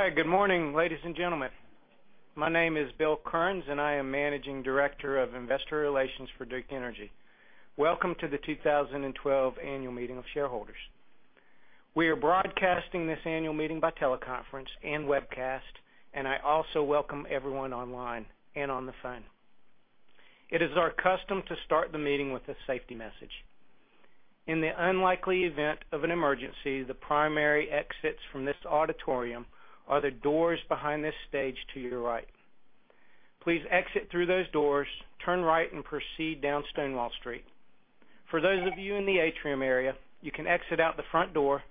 Hi, good morning, ladies and gentlemen. My name is Bill Currens, I am Managing Director of Investor Relations for Duke Energy. Welcome to the 2012 annual meeting of shareholders. We are broadcasting this annual meeting by teleconference and webcast. I also welcome everyone online and on the phone. It is our custom to start the meeting with a safety message. In the unlikely event of an emergency, the primary exits from this auditorium are the doors behind this stage to your right. Please exit through those doors, turn right, and proceed down Stonewall Street. For those of you in the atrium area, you can exit out the front door,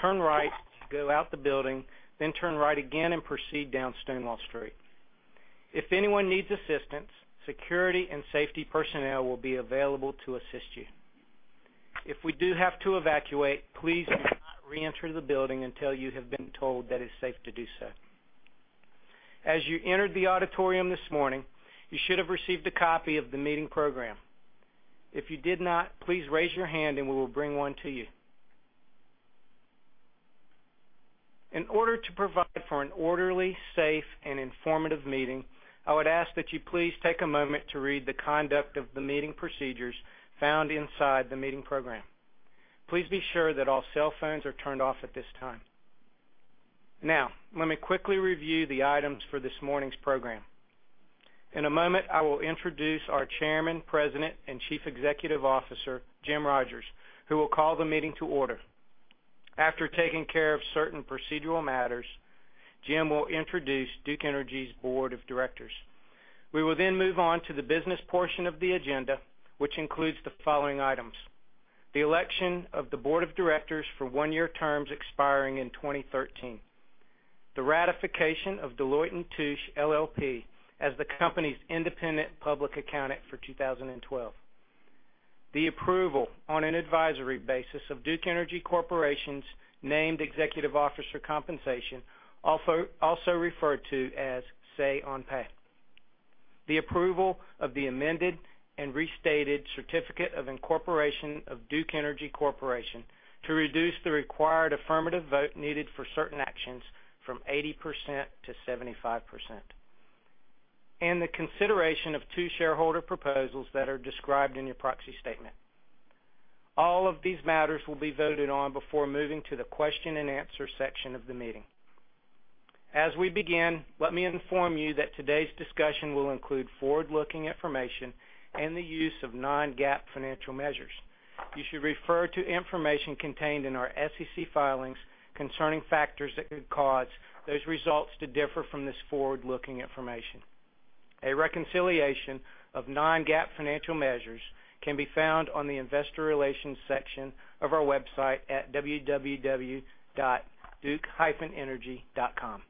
turn right, go out the building, then turn right again, and proceed down Stonewall Street. If anyone needs assistance, security and safety personnel will be available to assist you. If we do have to evacuate, please do not reenter the building until you have been told that it's safe to do so. As you entered the auditorium this morning, you should have received a copy of the meeting program. If you did not, please raise your hand. We will bring one to you. In order to provide for an orderly, safe, and informative meeting, I would ask that you please take a moment to read the conduct of the meeting procedures found inside the meeting program. Please be sure that all cell phones are turned off at this time. Let me quickly review the items for this morning's program. In a moment, I will introduce our Chairman, President, and Chief Executive Officer, Jim Rogers, who will call the meeting to order. After taking care of certain procedural matters, Jim will introduce Duke Energy's Board of Directors. We will move on to the business portion of the agenda, which includes the following items: the election of the board of directors for one-year terms expiring in 2013, the ratification of Deloitte & Touche LLP as the company's independent public accountant for 2012, the approval on an advisory basis of Duke Energy Corporation's named executive officer compensation, also referred to as say on pay, the approval of the amended and restated certificate of incorporation of Duke Energy Corporation to reduce the required affirmative vote needed for certain actions from 80% to 75%. The consideration of two shareholder proposals that are described in your proxy statement. All of these matters will be voted on before moving to the question-and-answer section of the meeting. Let me inform you that today's discussion will include forward-looking information and the use of non-GAAP financial measures. You should refer to information contained in our SEC filings concerning factors that could cause those results to differ from this forward-looking information. A reconciliation of non-GAAP financial measures can be found on the investor relations section of our website at www.duke-energy.com.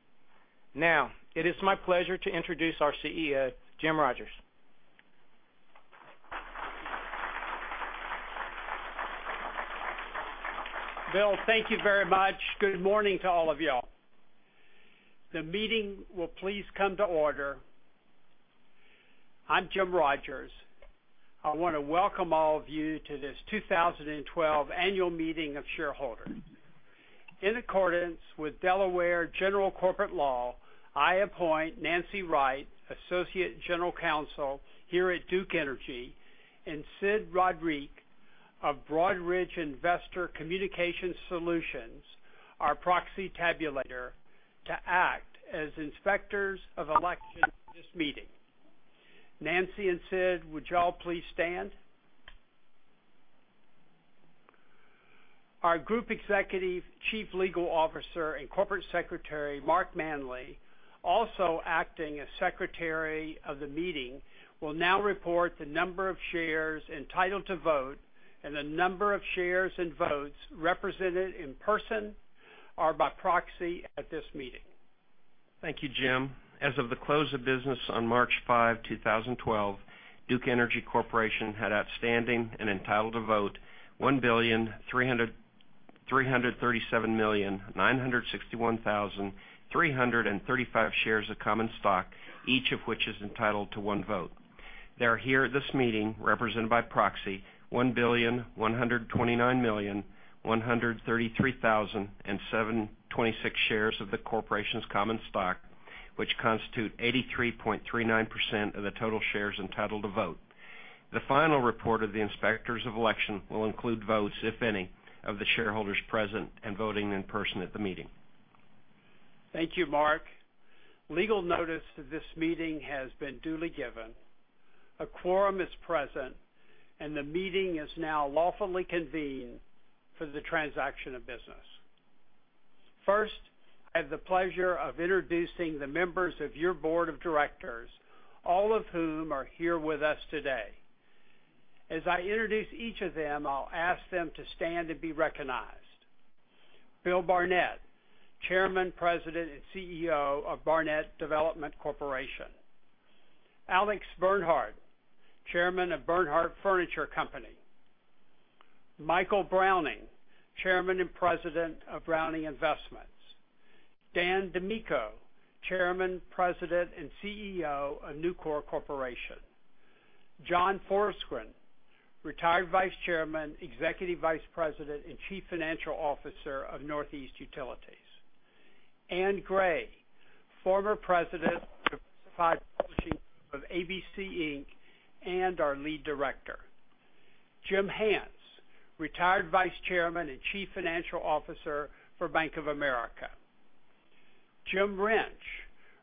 It is my pleasure to introduce our CEO, Jim Rogers. Bill, thank you very much. Good morning to all of y'all. The meeting will please come to order. I'm Jim Rogers. I want to welcome all of you to this 2012 annual meeting of shareholders. In accordance with Delaware general corporate law, I appoint Nancy Wright, Associate General Counsel here at Duke Energy, and Sid Rodrigue of Broadridge Investor Communication Solutions, our proxy tabulator, to act as inspectors of election for this meeting. Nancy and Sid, would y'all please stand? Our Group Executive Chief Legal Officer and Corporate Secretary, Mark Manley, also acting as secretary of the meeting, will now report the number of shares entitled to vote and the number of shares and votes represented in person or by proxy at this meeting. Thank you, Jim. As of the close of business on March 5, 2012, Duke Energy Corporation had outstanding and entitled to vote 1,337,961,335 shares of common stock, each of which is entitled to one vote. There are here at this meeting, represented by proxy, 1,129,133,026 shares of the corporation's common stock, which constitute 83.39% of the total shares entitled to vote. The final report of the inspectors of election will include votes, if any, of the shareholders present and voting in person at the meeting. Thank you, Mark. Legal notice of this meeting has been duly given. A quorum is present, and the meeting is now lawfully convened for the transaction of business. I have the pleasure of introducing the members of your board of directors, all of whom are here with us today. As I introduce each of them, I'll ask them to stand and be recognized. Bill Barnett, Chairman, President, and CEO of Barnett Development Corporation. Alex Bernhardt, Chairman of Bernhardt Furniture Company. Michael Browning, Chairman and President of Browning Investments. Dan DiMicco, Chairman, President, and CEO of Nucor Corporation. John Forsgren, retired Vice Chairman, Executive Vice President, and Chief Financial Officer of Northeast Utilities. Ann Gray, former president of diversified publishing group of ABC Inc. and our lead director. Jim Hance, retired Vice Chairman and Chief Financial Officer for Bank of America. Jim Rench,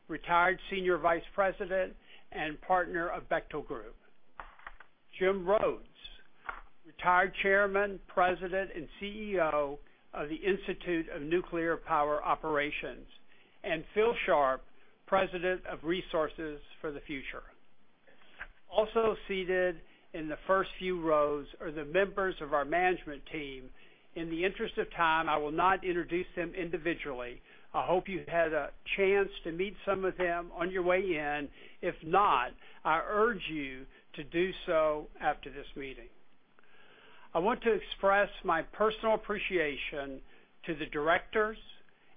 retired Senior Vice President and partner of Bechtel Group. Jim Rhodes, retired chairman, president, and CEO of the Institute of Nuclear Power Operations. Phil Sharp, President of Resources for the Future. Also seated in the first few rows are the members of our management team. In the interest of time, I will not introduce them individually. I hope you had a chance to meet some of them on your way in. If not, I urge you to do so after this meeting. I want to express my personal appreciation to the directors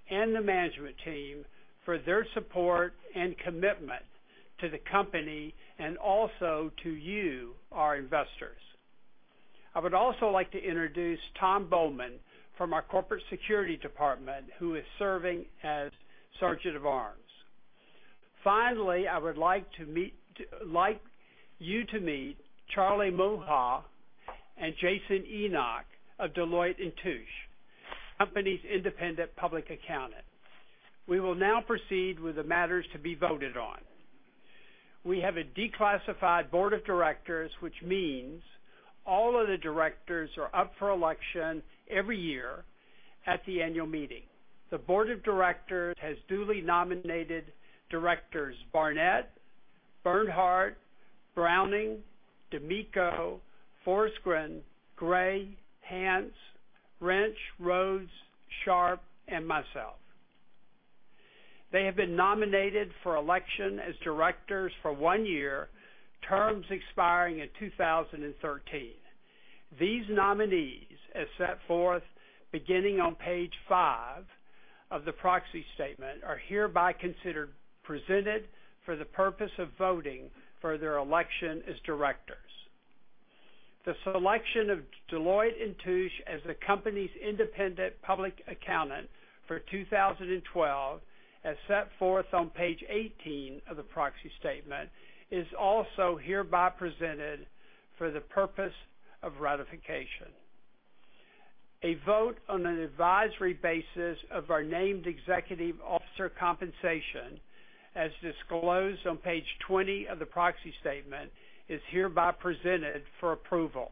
and the management team for their support and commitment to the company and also to you, our investors. I would also like to introduce Tom Bowman from our corporate security department, who is serving as Sergeant of Arms. Finally, I would like you to meet Charlie Mulhall and Jason Enoch of Deloitte & Touche, the company's independent public accountant. We will now proceed with the matters to be voted on. We have a declassified board of directors, which means all of the directors are up for election every year at the annual meeting. The board of directors has duly nominated directors Barnett, Bernhardt, Browning, DiMicco, Forsgren, Gray, Hance, Rench, Rhodes, Sharp, and myself. They have been nominated for election as directors for one year, terms expiring in 2013. These nominees, as set forth beginning on page five of the proxy statement, are hereby considered presented for the purpose of voting for their election as directors. The selection of Deloitte & Touche as the company's independent public accountant for 2012, as set forth on page 18 of the proxy statement, is also hereby presented for the purpose of ratification. A vote on an advisory basis of our named executive officer compensation, as disclosed on page 20 of the proxy statement, is hereby presented for approval.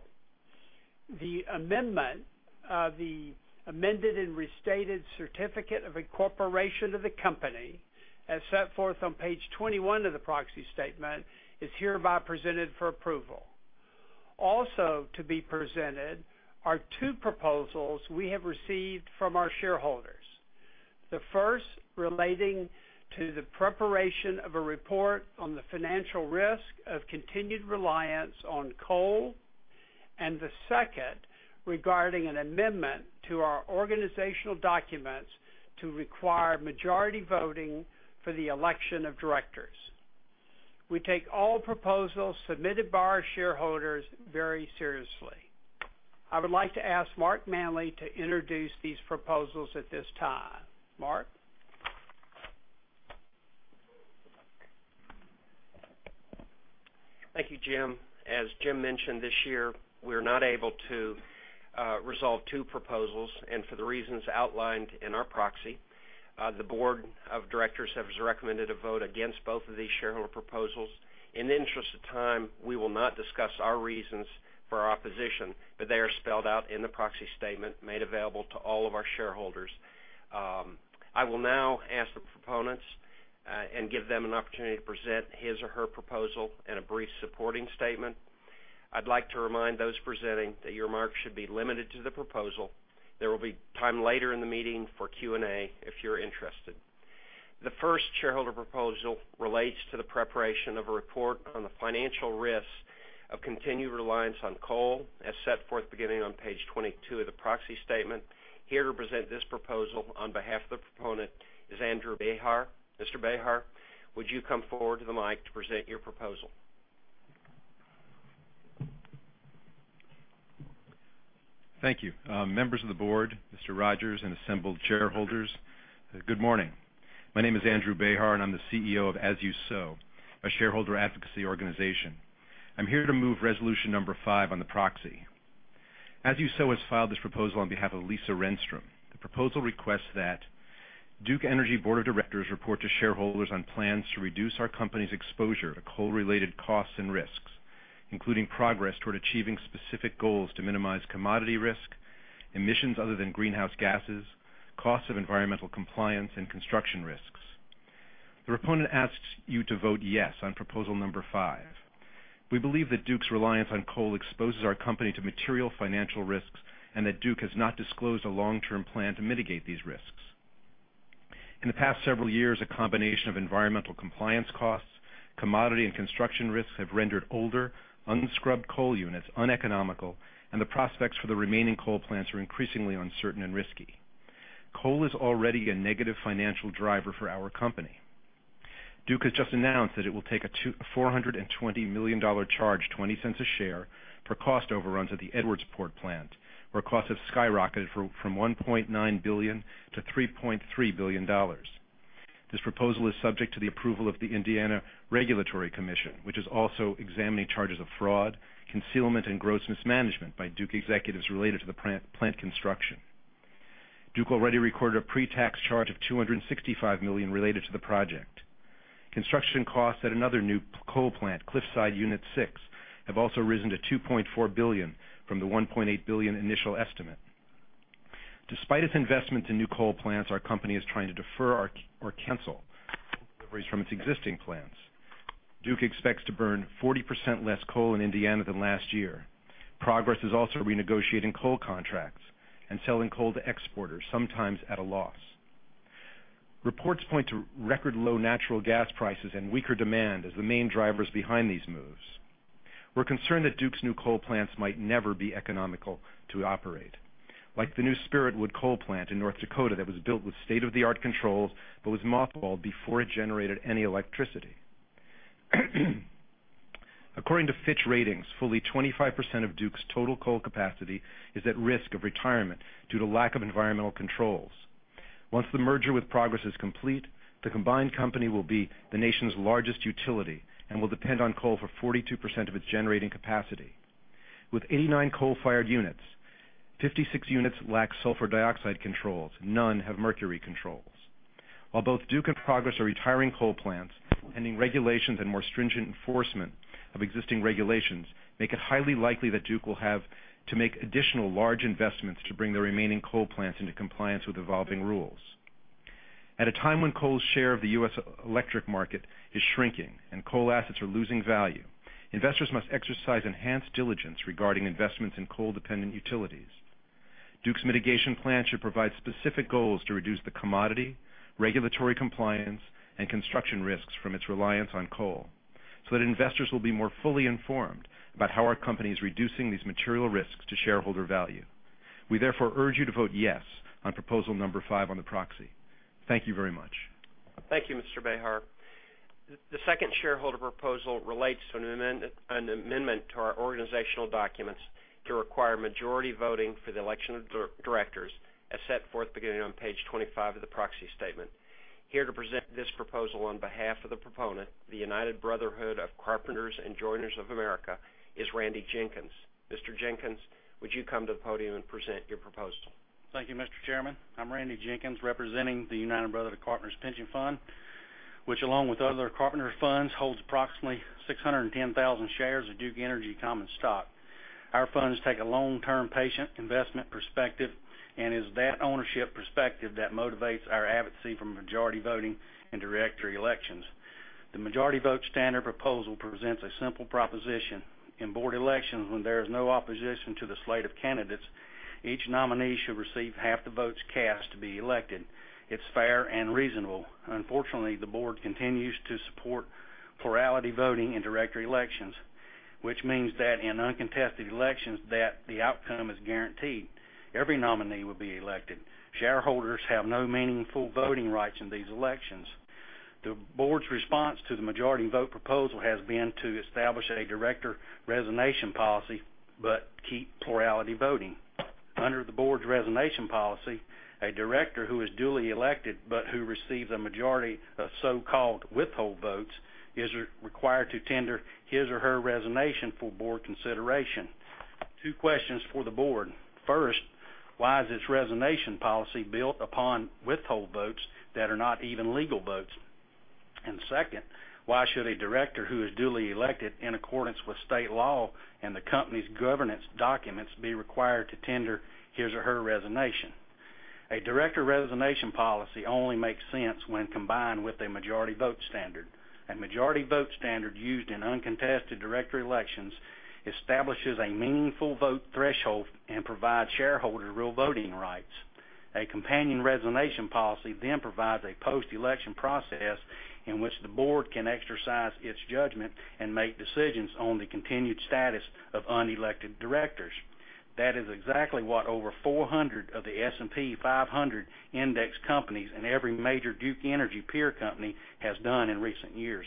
The amendment of the amended and restated certificate of incorporation of the company, as set forth on page 21 of the proxy statement, is hereby presented for approval. Also to be presented are two proposals we have received from our shareholders. The first relating to the preparation of a report on the financial risk of continued reliance on coal, and the second regarding an amendment to our organizational documents to require majority voting for the election of directors. We take all proposals submitted by our shareholders very seriously. I would like to ask Mark Manley to introduce these proposals at this time. Mark? Thank you, Jim. As Jim mentioned this year, we're not able to resolve two proposals, for the reasons outlined in our proxy. The board of directors has recommended a vote against both of these shareholder proposals. In the interest of time, we will not discuss our reasons for our opposition, but they are spelled out in the proxy statement made available to all of our shareholders. I will now ask the proponents and give them an opportunity to present his or her proposal and a brief supporting statement. I'd like to remind those presenting that your remarks should be limited to the proposal. There will be time later in the meeting for Q&A if you're interested. The first shareholder proposal relates to the preparation of a report on the financial risks of continued reliance on coal, as set forth beginning on page 22 of the proxy statement. Here to present this proposal on behalf of the proponent is Andrew Behar. Mr. Behar, would you come forward to the mic to present your proposal? Thank you. Members of the board, Mr. Rogers, and assembled shareholders, good morning. My name is Andrew Behar, and I'm the CEO of As You Sow, a shareholder advocacy organization. I'm here to move resolution number 5 on the proxy. As You Sow has filed this proposal on behalf of Lisa Renstrom. The proposal requests that Duke Energy Board of Directors report to shareholders on plans to reduce our company's exposure to coal-related costs and risks, including progress toward achieving specific goals to minimize commodity risk, emissions other than greenhouse gases, costs of environmental compliance, and construction risks. The proponent asks you to vote yes on proposal number 5. We believe that Duke's reliance on coal exposes our company to material financial risks and that Duke has not disclosed a long-term plan to mitigate these risks. In the past several years, a combination of environmental compliance costs, commodity and construction risks have rendered older, unscrubbed coal units uneconomical, and the prospects for the remaining coal plants are increasingly uncertain and risky. Coal is already a negative financial driver for our company. Duke has just announced that it will take a $420 million charge, $0.20 a share, for cost overruns at the Edwardsport plant, where costs have skyrocketed from $1.9 billion to $3.3 billion. This proposal is subject to the approval of the Indiana Utility Regulatory Commission, which is also examining charges of fraud, concealment, and gross mismanagement by Duke executives related to the plant construction. Duke already recorded a pre-tax charge of $265 million related to the project. Construction costs at another new coal plant, Cliffside Unit 6, have also risen to $2.4 billion from the $1.8 billion initial estimate. Despite its investment in new coal plants, our company is trying to defer or cancel coal deliveries from its existing plants. Duke expects to burn 40% less coal in Indiana than last year. Progress is also renegotiating coal contracts and selling coal to exporters, sometimes at a loss. Reports point to record low natural gas prices and weaker demand as the main drivers behind these moves. We're concerned that Duke's new coal plants might never be economical to operate. Like the new Spiritwood Station in North Dakota that was built with state-of-the-art controls but was mothballed before it generated any electricity. According to Fitch Ratings, fully 25% of Duke's total coal capacity is at risk of retirement due to lack of environmental controls. Once the merger with Progress is complete, the combined company will be the nation's largest utility and will depend on coal for 42% of its generating capacity. With 89 coal-fired units, 56 units lack sulfur dioxide controls. None have mercury controls. While both Duke and Progress are retiring coal plants, pending regulations and more stringent enforcement of existing regulations make it highly likely that Duke will have to make additional large investments to bring the remaining coal plants into compliance with evolving rules. At a time when coal's share of the U.S. electric market is shrinking and coal assets are losing value, investors must exercise enhanced diligence regarding investments in coal-dependent utilities. Duke's mitigation plan should provide specific goals to reduce the commodity, regulatory compliance, and construction risks from its reliance on coal so that investors will be more fully informed about how our company is reducing these material risks to shareholder value. We therefore urge you to vote "Yes" on proposal number five on the proxy. Thank you very much. Thank you, Mr. Behar. The second shareholder proposal relates to an amendment to our organizational documents to require majority voting for the election of directors as set forth beginning on page 25 of the proxy statement. Here to present this proposal on behalf of the proponent, the United Brotherhood of Carpenters and Joiners of America, is Randy Jenkins. Mr. Jenkins, would you come to the podium and present your proposal? Thank you, Mr. Chairman. I'm Randy Jenkins, representing the United Brotherhood of Carpenters pension fund, which along with other carpenter funds, holds approximately 610,000 shares of Duke Energy common stock. Our funds take a long-term patient investment perspective, and it is that ownership perspective that motivates our advocacy for majority voting in director elections. The majority vote standard proposal presents a simple proposition. In board elections, when there is no opposition to the slate of candidates, each nominee should receive half the votes cast to be elected. It's fair and reasonable. Unfortunately, the board continues to support plurality voting in director elections, which means that in uncontested elections, the outcome is guaranteed. Every nominee will be elected. Shareholders have no meaningful voting rights in these elections. The board's response to the majority vote proposal has been to establish a director resignation policy but keep plurality voting. Under the board's resignation policy, a director who is duly elected but who receives a majority of so-called withhold votes is required to tender his or her resignation for board consideration. Two questions for the board. First, why is this resignation policy built upon withhold votes that are not even legal votes? Second, why should a director who is duly elected in accordance with state law and the company's governance documents be required to tender his or her resignation? A director resignation policy only makes sense when combined with a majority vote standard. A majority vote standard used in uncontested director elections establishes a meaningful vote threshold and provides shareholders real voting rights. A companion resignation policy provides a post-election process in which the board can exercise its judgment and make decisions on the continued status of unelected directors. That is exactly what over 400 of the S&P 500 index companies and every major Duke Energy peer company has done in recent years.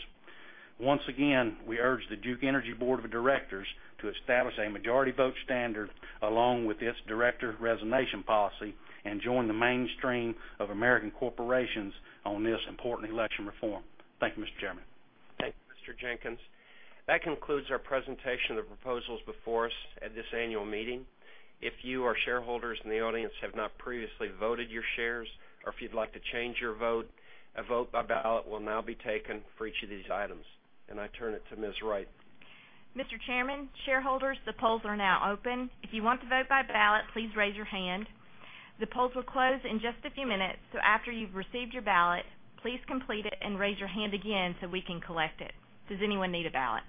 Once again, we urge the Duke Energy Board of Directors to establish a majority vote standard along with its director resignation policy and join the mainstream of American corporations on this important election reform. Thank you, Mr. Chairman. Thank you, Mr. Jenkins. That concludes our presentation of the proposals before us at this annual meeting. If you, our shareholders in the audience, have not previously voted your shares or if you'd like to change your vote, a vote by ballot will now be taken for each of these items. I turn it to Ms. Wright. Mr. Chairman, shareholders, the polls are now open. If you want to vote by ballot, please raise your hand. The polls will close in just a few minutes, so after you've received your ballot, please complete it and raise your hand again so we can collect it. Does anyone need a ballot?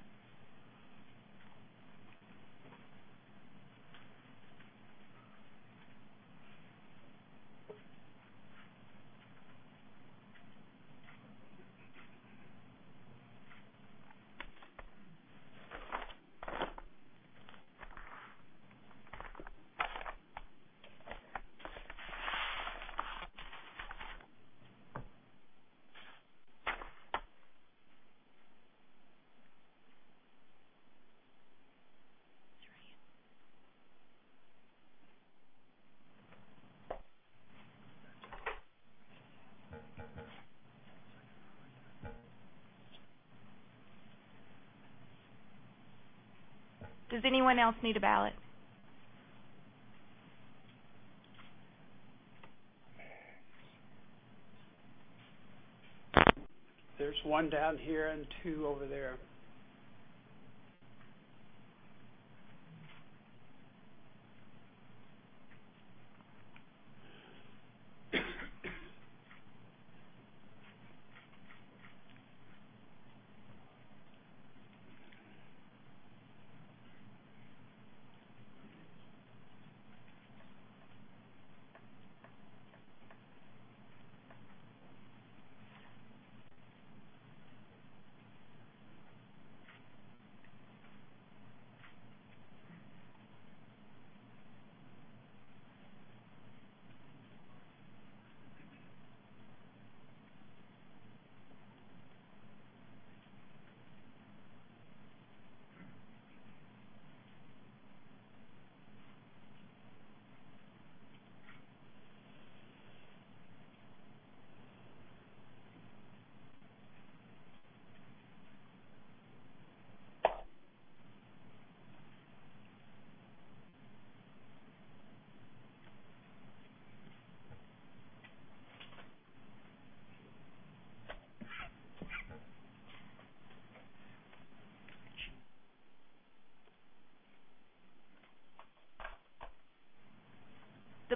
Does anyone else need a ballot? There's one down here and two over there.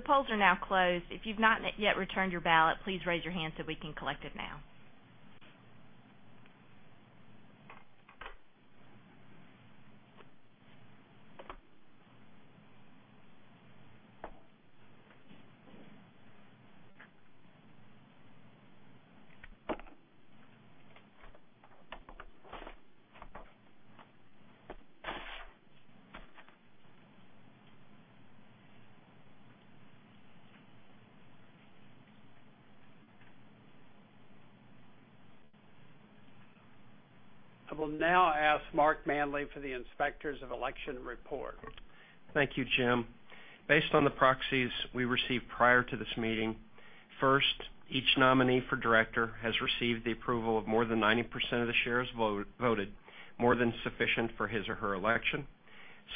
The polls are now closed. If you've not yet returned your ballot, please raise your hand so we can collect it now. I will now ask Mark Manley for the Inspectors of Election report. Thank you, Jim. Based on the proxies we received prior to this meeting, first, each nominee for director has received the approval of more than 90% of the shares voted, more than sufficient for his or her election.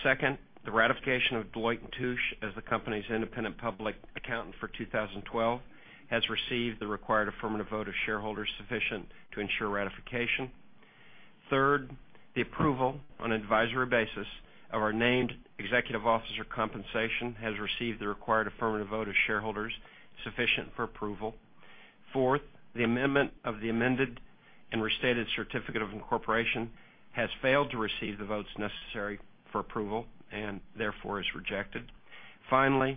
Second, the ratification of Deloitte & Touche as the company's independent public accountant for 2012 has received the required affirmative vote of shareholders sufficient to ensure ratification. Third, the approval on an advisory basis of our named executive officer compensation has received the required affirmative vote of shareholders sufficient for approval. Fourth, the amendment of the amended and restated certificate of incorporation has failed to receive the votes necessary for approval and therefore is rejected. Finally,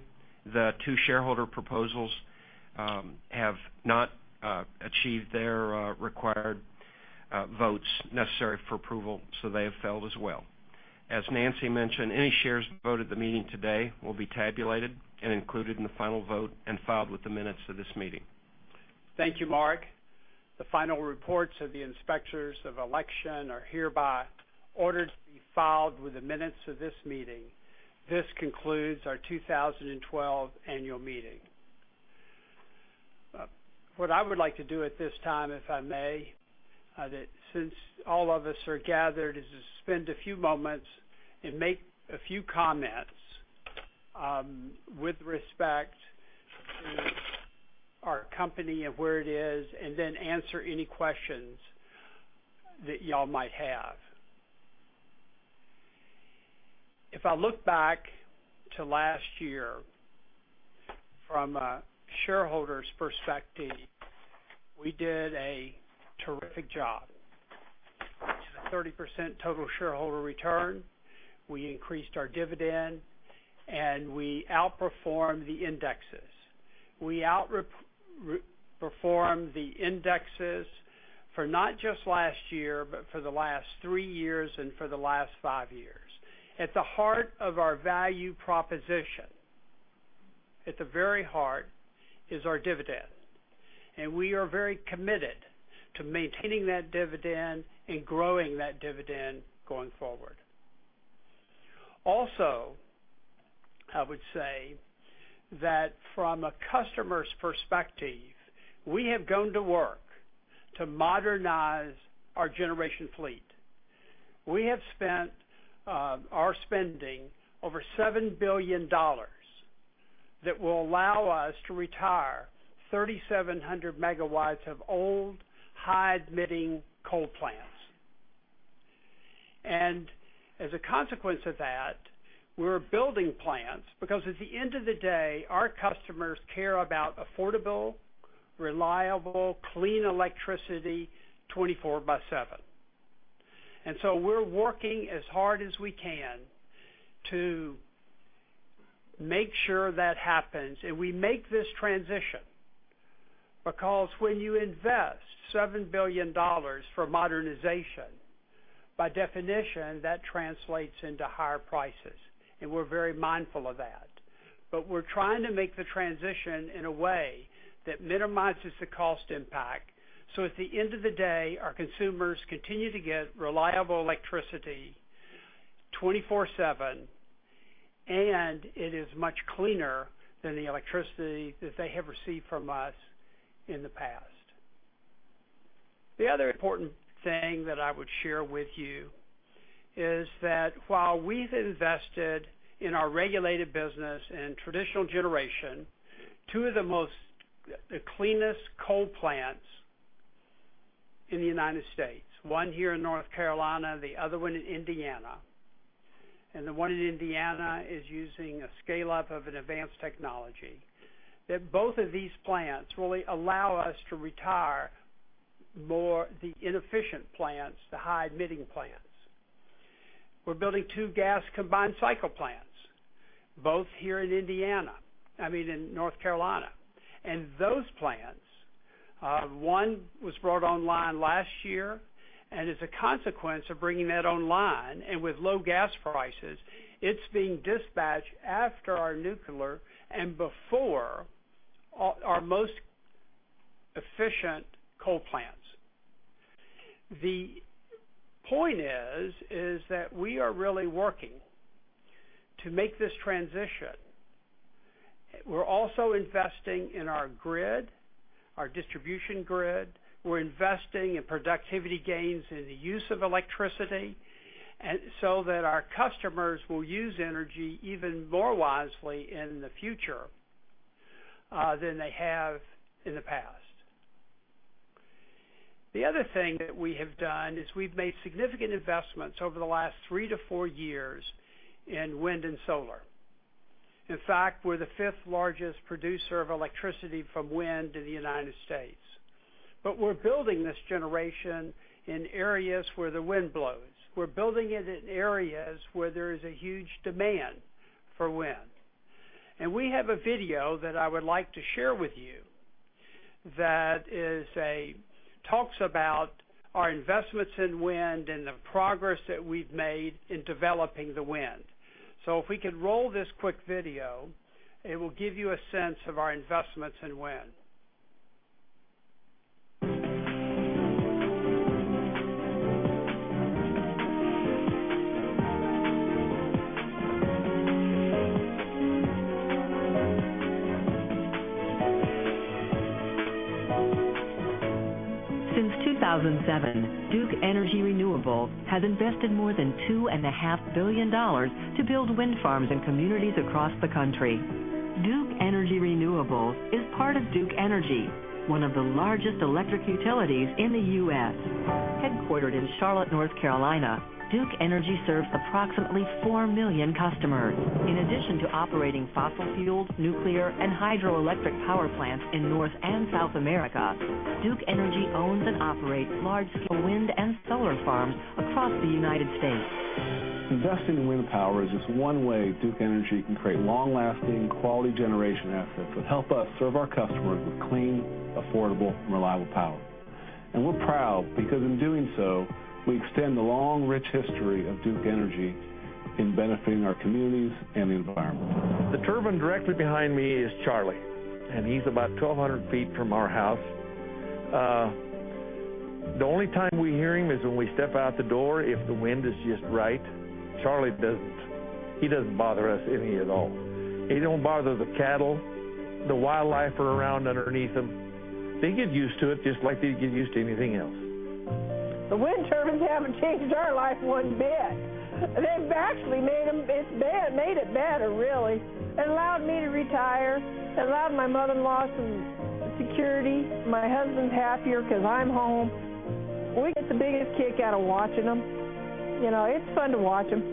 the two shareholder proposals have not achieved their required votes necessary for approval, they have failed as well. As Nancy mentioned, any shares voted at the meeting today will be tabulated and included in the final vote and filed with the minutes of this meeting. Thank you, Mark. The final reports of the Inspectors of Election are hereby ordered to be filed with the minutes of this meeting. This concludes our 2012 annual meeting. What I would like to do at this time, if I may, since all of us are gathered, is to spend a few moments and make a few comments with respect to our company and where it is, then answer any questions that y'all might have. If I look back to last year from a shareholder's perspective, we did a terrific job. A 30% total shareholder return. We increased our dividend. We outperformed the indexes. We outperformed the indexes for not just last year, but for the last three years and for the last five years. At the heart of our value proposition, at the very heart, is our dividend, and we are very committed to maintaining that dividend and growing that dividend going forward. Also, I would say that from a customer's perspective, we have gone to work to modernize our generation fleet. We are spending over $7 billion that will allow us to retire 3,700 megawatts of old, high-emitting coal plants. As a consequence of that, we're building plants, because at the end of the day, our customers care about affordable, reliable, clean electricity 24/7. We're working as hard as we can to make sure that happens and we make this transition. Because when you invest $7 billion for modernization, by definition, that translates into higher prices, and we're very mindful of that. We're trying to make the transition in a way that minimizes the cost impact. At the end of the day, our consumers continue to get reliable electricity 24/7, and it is much cleaner than the electricity that they have received from us in the past. The other important thing that I would share with you is that while we've invested in our regulated business and traditional generation, two of the cleanest coal plants in the United States, one here in North Carolina, the other one in Indiana. The one in Indiana is using a scale-up of an advanced technology. That both of these plants really allow us to retire more the inefficient plants, the high-emitting plants. We're building two gas combined cycle plants, both here in North Carolina. Those plants, one was brought online last year, and as a consequence of bringing that online and with low gas prices, it's being dispatched after our nuclear and before our most efficient coal plants. The point is that we are really working to make this transition. We're also investing in our grid, our distribution grid. We're investing in productivity gains in the use of electricity, so that our customers will use energy even more wisely in the future than they have in the past. The other thing that we have done is we've made significant investments over the last three to four years in wind and solar. In fact, we're the fifth largest producer of electricity from wind in the U.S. We're building this generation in areas where the wind blows. We're building it in areas where there is a huge demand for wind. We have a video that I would like to share with you that talks about our investments in wind and the progress that we've made in developing the wind. If we could roll this quick video, it will give you a sense of our investments in wind. Since 2007, Duke Energy Renewables has invested more than $2.5 billion to build wind farms in communities across the country. Duke Energy Renewables is part of Duke Energy, one of the largest electric utilities in the U.S. Headquartered in Charlotte, North Carolina, Duke Energy serves approximately 4 million customers. In addition to operating fossil fuels, nuclear, and hydroelectric power plants in North and South America, Duke Energy owns and operates large-scale wind and solar farms across the U.S. Investing in wind power is just one way Duke Energy can create long-lasting quality generation assets that help us serve our customers with clean, affordable, reliable power. We're proud because in doing so, we extend the long, rich history of Duke Energy in benefiting our communities and the environment. The turbine directly behind me is Charlie, and he's about 1,200 feet from our house. The only time we hear him is when we step out the door if the wind is just right. Charlie doesn't bother us any at all. He don't bother the cattle. The wildlife are around underneath him. They get used to it just like they get used to anything else. The wind turbines haven't changed our life one bit. They've actually made it better, really. It allowed me to retire. It allowed my mother-in-law some security. My husband's happier because I'm home. We get the biggest kick out of watching them. It's fun to watch them.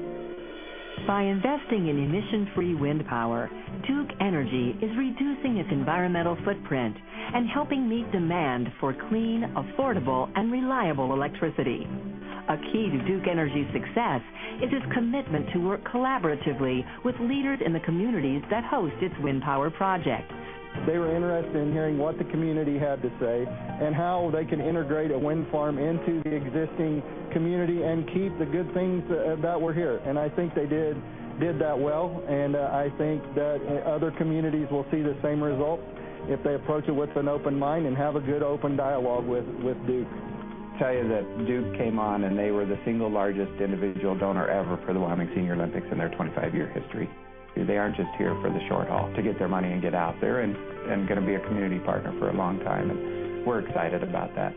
By investing in emission-free wind power, Duke Energy is reducing its environmental footprint and helping meet demand for clean, affordable, and reliable electricity. A key to Duke Energy's success is its commitment to work collaboratively with leaders in the communities that host its wind power projects. They were interested in hearing what the community had to say and how they can integrate a wind farm into the existing community and keep the good things that were here. I think they did that well, and I think that other communities will see the same result if they approach it with an open mind and have a good open dialogue with Duke. Tell you that Duke came on, they were the single largest individual donor ever for the Wyoming Senior Olympics in their 25-year history. They aren't just here for the short haul to get their money and get out. They're in and going to be a community partner for a long time, and we're excited about that.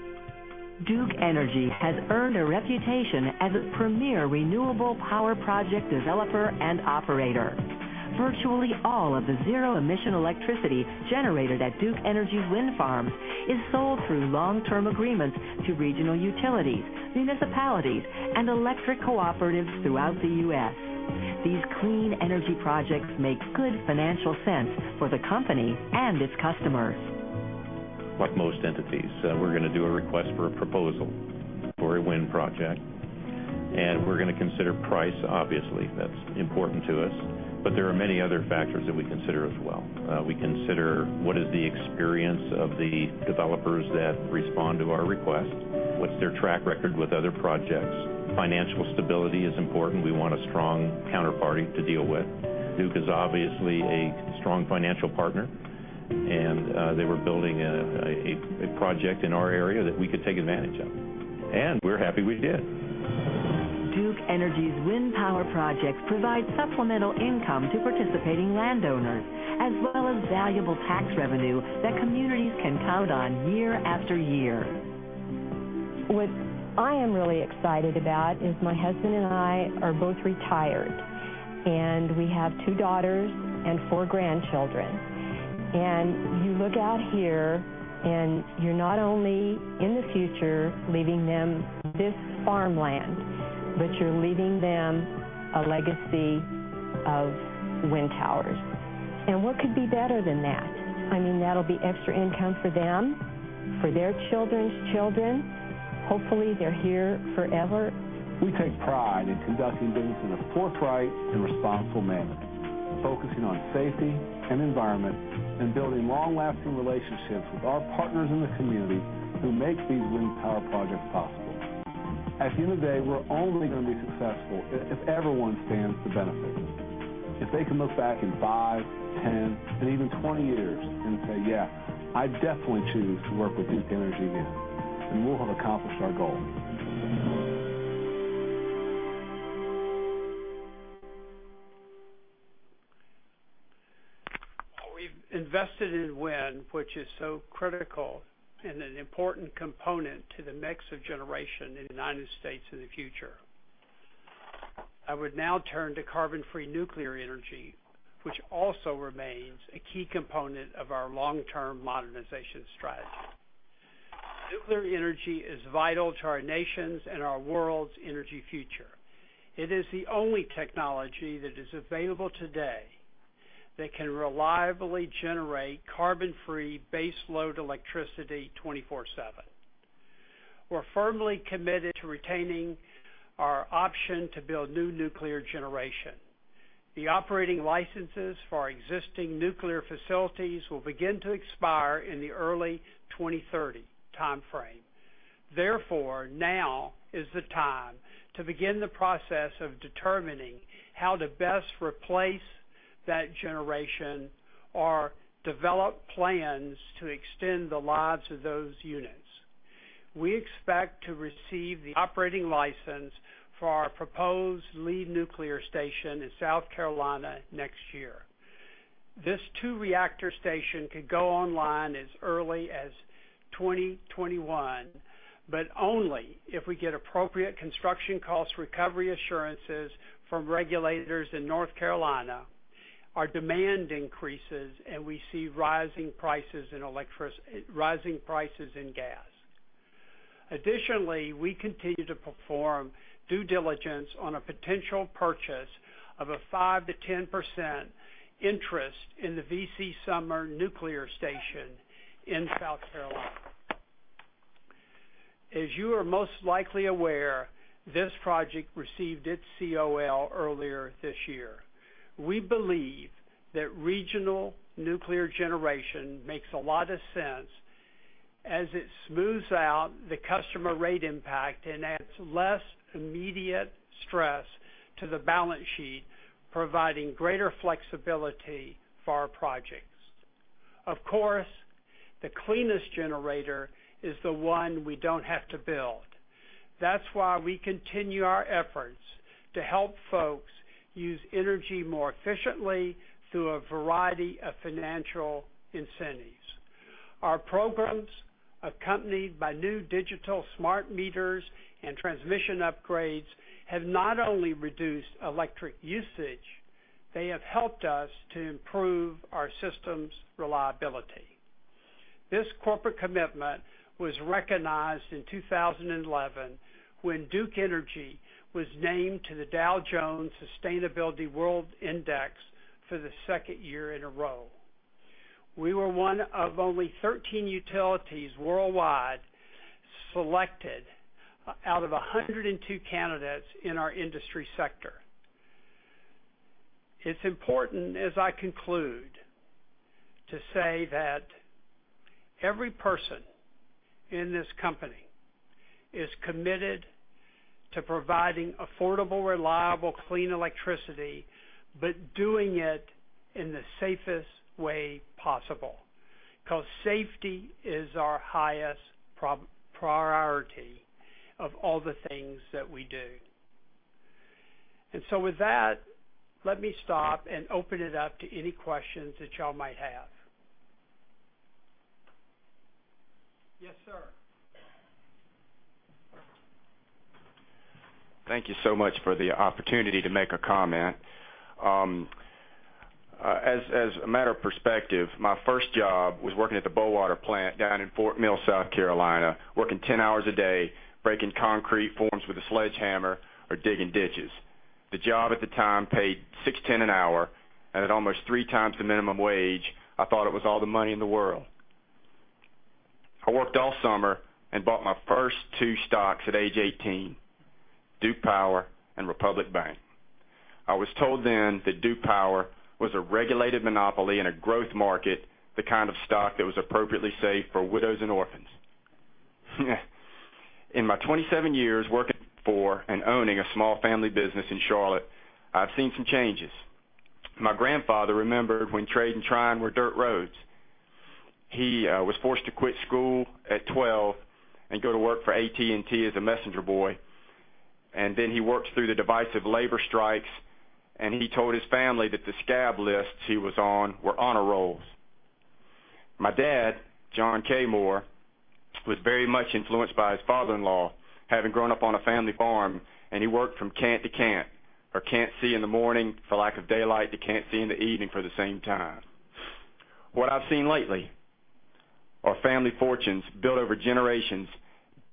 Duke Energy has earned a reputation as a premier renewable power project developer and operator. Virtually all of the zero-emission electricity generated at Duke Energy's wind farms is sold through long-term agreements to regional utilities, municipalities, and electric cooperatives throughout the U.S. These clean energy projects make good financial sense for the company and its customers. Like most entities, we're going to do a request for a proposal for a wind project, we're going to consider price, obviously. That's important to us. There are many other factors that we consider as well. We consider what is the experience of the developers that respond to our request. What's their track record with other projects? Financial stability is important. We want a strong counterparty to deal with. Duke is obviously a strong financial partner, they were building a project in our area that we could take advantage of, and we're happy we did. Duke Energy's wind power projects provide supplemental income to participating landowners, as well as valuable tax revenue that communities can count on year after year. What I am really excited about is my husband and I are both retired, and we have two daughters and four grandchildren. You look out here, and you're not only, in the future, leaving them this farmland, but you're leaving them a legacy of wind towers. What could be better than that? I mean, that'll be extra income for them, for their children's children. Hopefully, they're here forever. We take pride in conducting business in a forthright and responsible manner, focusing on safety and environment, and building long-lasting relationships with our partners in the community who make these wind power projects possible. At the end of the day, we're only going to be successful if everyone stands to benefit. If they can look back in five, 10, and even 20 years and say, "Yeah, I'd definitely choose to work with Duke Energy again," then we'll have accomplished our goal. We've invested in wind, which is so critical and an important component to the mix of generation in the U.S. in the future. I would now turn to carbon-free nuclear energy, which also remains a key component of our long-term modernization strategy. Nuclear energy is vital to our nation's and our world's energy future. It is the only technology that is available today that can reliably generate carbon-free baseload electricity 24/7. We're firmly committed to retaining our option to build new nuclear generation. The operating licenses for our existing nuclear facilities will begin to expire in the early 2030 timeframe. Now is the time to begin the process of determining how to best replace that generation or develop plans to extend the lives of those units. We expect to receive the operating license for our proposed Lee Nuclear Station in South Carolina next year. This two-reactor station could go online as early as 2021, only if we get appropriate construction cost recovery assurances from regulators in North Carolina. Our demand increases, and we see rising prices in gas. Additionally, we continue to perform due diligence on a potential purchase of a 5%-10% interest in the V.C. Summer Nuclear Station in South Carolina. As you are most likely aware, this project received its COL earlier this year. We believe that regional nuclear generation makes a lot of sense as it smooths out the customer rate impact and adds less immediate stress to the balance sheet, providing greater flexibility for our projects. Of course, the cleanest generator is the one we don't have to build. That's why we continue our efforts to help folks use energy more efficiently through a variety of financial incentives. Our programs, accompanied by new digital smart meters and transmission upgrades, have not only reduced electric usage, they have helped us to improve our system's reliability. This corporate commitment was recognized in 2011 when Duke Energy was named to the Dow Jones Sustainability World Index for the second year in a row. We were one of only 13 utilities worldwide selected out of 102 candidates in our industry sector. It's important, as I conclude, to say that every person in this company is committed to providing affordable, reliable, clean electricity, but doing it in the safest way possible, because safety is our highest priority of all the things that we do. With that, let me stop and open it up to any questions that y'all might have. Yes, sir. Thank you so much for the opportunity to make a comment. As a matter of perspective, my first job was working at the Bowater plant down in Fort Mill, South Carolina, working 10 hours a day, breaking concrete forms with a sledgehammer or digging ditches. The job at the time paid $6.10 an hour, and at almost three times the minimum wage, I thought it was all the money in the world. I worked all summer and bought my first two stocks at age 18, Duke Power and Republic Bank. I was told then that Duke Power was a regulated monopoly in a growth market, the kind of stock that was appropriately safe for widows and orphans. In my 27 years working for and owning a small family business in Charlotte, I've seen some changes. My grandfather remembered when Trade and Tryon were dirt roads. He was forced to quit school at 12 and go to work for AT&T as a messenger boy. He worked through the divisive labor strikes, and he told his family that the scab lists he was on were honor rolls. My dad, John K. Moore, was very much influenced by his father-in-law, having grown up on a family farm, and he worked from can't to can't, or can't see in the morning for lack of daylight to can't see in the evening for the same time. What I've seen lately are family fortunes built over generations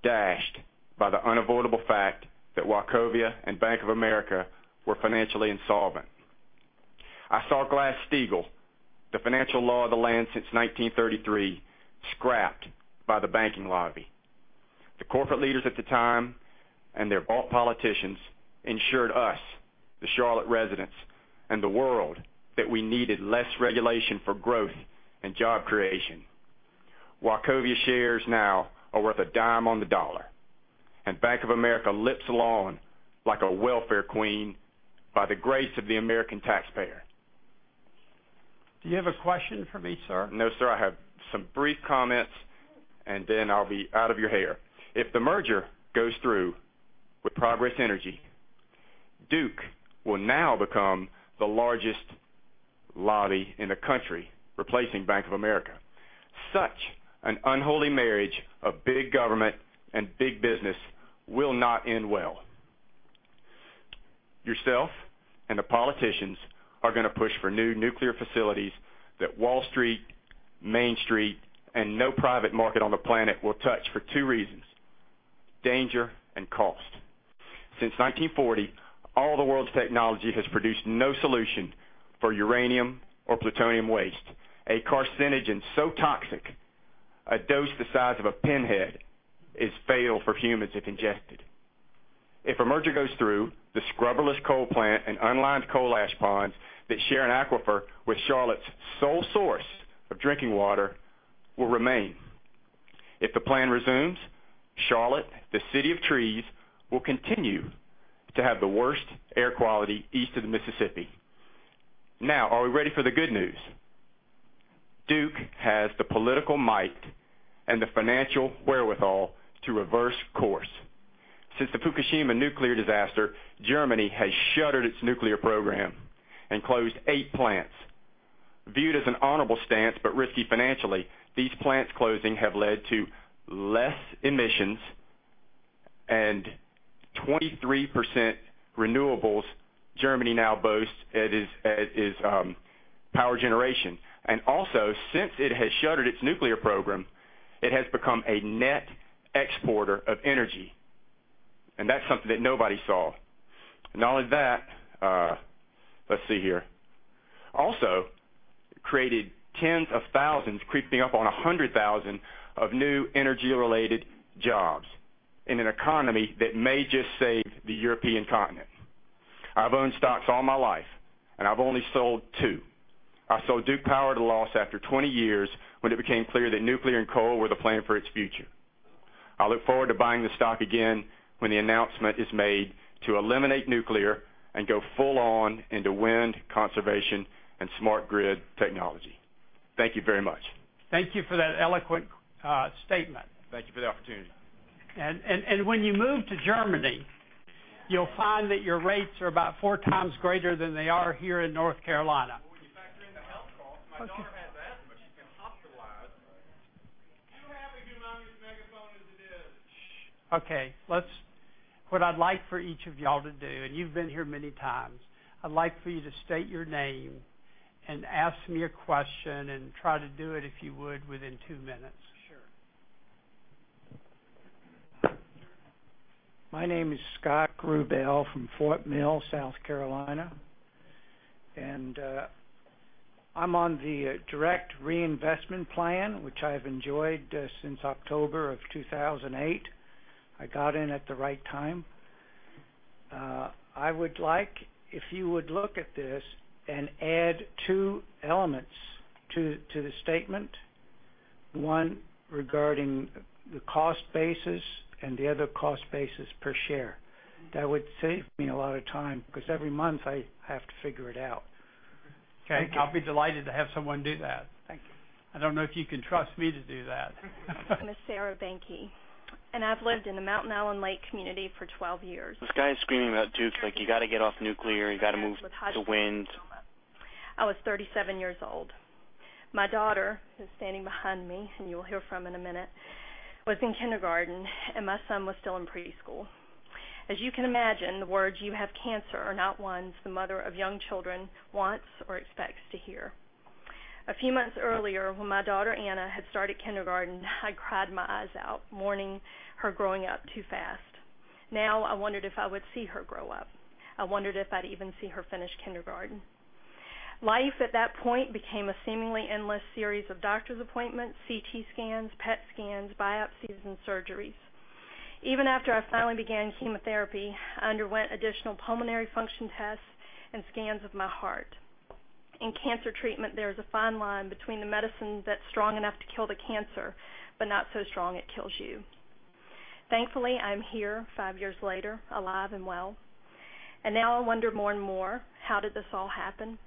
dashed by the unavoidable fact that Wachovia and Bank of America were financially insolvent. I saw Glass-Steagall, the financial law of the land since 1933, scrapped by the banking lobby. The corporate leaders at the time and their bought politicians ensured us, the Charlotte residents, and the world, that we needed less regulation for growth and job creation. Wachovia shares now are worth a dime on the dollar. Bank of America limps along like a welfare queen by the grace of the American taxpayer. Do you have a question for me, sir? No, sir. I have some brief comments, and then I'll be out of your hair. If the merger goes through with Progress Energy, Duke will now become the largest lobby in the country, replacing Bank of America. Such an unholy marriage of big government and big business will not end well. Yourself and the politicians are going to push for new nuclear facilities that Wall Street, Main Street, and no private market on the planet will touch for two reasons, danger and cost. Since 1940, all the world's technology has produced no solution for uranium or plutonium waste, a carcinogen so toxic a dose the size of a pinhead is fatal for humans if ingested. If a merger goes through, the scrubberless coal plant and unlined coal ash ponds that share an aquifer with Charlotte's sole source of drinking water will remain. If the plan resumes, Charlotte, the City of Trees, will continue to have the worst air quality east of the Mississippi. Now, are we ready for the good news? Duke has the political might and the financial wherewithal to reverse course. Since the Fukushima nuclear disaster, Germany has shuttered its nuclear program and closed eight plants. Viewed as an honorable stance but risky financially, these plants closing have led to less emissions and 23% renewables Germany now boasts at its power generation. Also, since it has shuttered its nuclear program, it has become a net exporter of energy, and that's something that nobody saw. Not only that, let's see here. Also, it created tens of thousands, creeping up on 100,000, of new energy-related jobs in an economy that may just save the European continent. I've owned stocks all my life, and I've only sold two. I sold Duke Power at a loss after 20 years when it became clear that nuclear and coal were the plan for its future. I look forward to buying the stock again when the announcement is made to eliminate nuclear and go full on into wind conservation and smart grid technology. Thank you very much. Thank you for that eloquent statement. Thank you for the opportunity. When you move to Germany, you'll find that your rates are about four times greater than they are here in North Carolina. When you factor in the health costs, my daughter has asthma. She's been hospitalized. You have a humongous megaphone as it is. Shh. Okay. What I'd like for each of y'all to do, you've been here many times, I'd like for you to state your name and ask me a question and try to do it, if you would, within two minutes. Sure. My name is Scott Rubel from Fort Mill, South Carolina. I'm on the direct reinvestment plan, which I've enjoyed since October of 2008. I got in at the right time. I would like if you would look at this and add two elements to the statement. One regarding the cost basis and the other cost basis per share. That would save me a lot of time because every month I have to figure it out. Okay. I'll be delighted to have someone do that. Thank you. I don't know if you can trust me to do that. My name is Sarah Banky, and I've lived in the Mountain Island Lake community for 12 years. This guy is screaming about Duke, like you got to get off nuclear, you got to move to wind. I was 37 years old. My daughter, who's standing behind me, and you will hear from in a minute, was in kindergarten, and my son was still in preschool. As you can imagine, the words you have cancer are not ones the mother of young children wants or expects to hear. A few months earlier, when my daughter Anna had started kindergarten, I cried my eyes out, mourning her growing up too fast. Now, I wondered if I would see her grow up. I wondered if I'd even see her finish kindergarten. Life, at that point, became a seemingly endless series of doctor's appointments, CT scans, PET scans, biopsies, and surgeries. Even after I finally began chemotherapy, I underwent additional pulmonary function tests and scans of my heart. In cancer treatment, there is a fine line between the medicine that's strong enough to kill the cancer, but not so strong it kills you. Thankfully, I'm here five years later, alive and well, and now I wonder more and more, how did this all happen?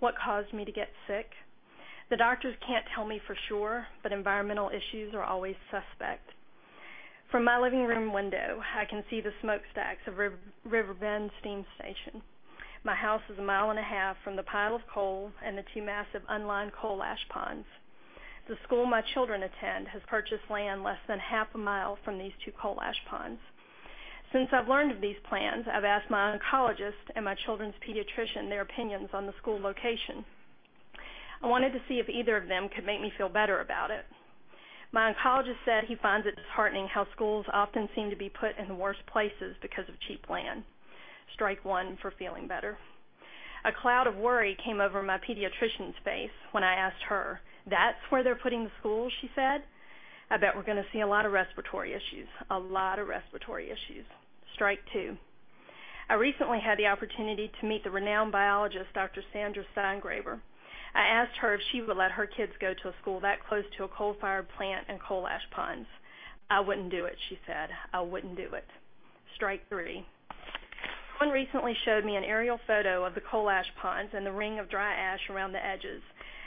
What caused me to get sick? The doctors can't tell me for sure, but environmental issues are always suspect. From my living room window, I can see the smokestacks of Riverbend Steam Station. My house is a mile and a half from the pile of coal and the two massive unlined coal ash ponds. The school my children attend has purchased land less than half a mile from these two coal ash ponds. Since I've learned of these plans, I've asked my oncologist and my children's pediatrician their opinions on the school location. I wanted to see if either of them could make me feel better about it. My oncologist said he finds it disheartening how schools often seem to be put in the worst places because of cheap land. Strike one for feeling better. A cloud of worry came over my pediatrician's face when I asked her. "That's where they're putting the school?" she said. "I bet we're going to see a lot of respiratory issues. A lot of respiratory issues." Strike two. I recently had the opportunity to meet the renowned biologist, Dr. Sandra Steingraber. I asked her if she would let her kids go to a school that close to a coal-fired plant and coal ash ponds. "I wouldn't do it," she said. "I wouldn't do it." Strike three. Someone recently showed me an aerial photo of the coal ash ponds and the ring of dry ash around the edges.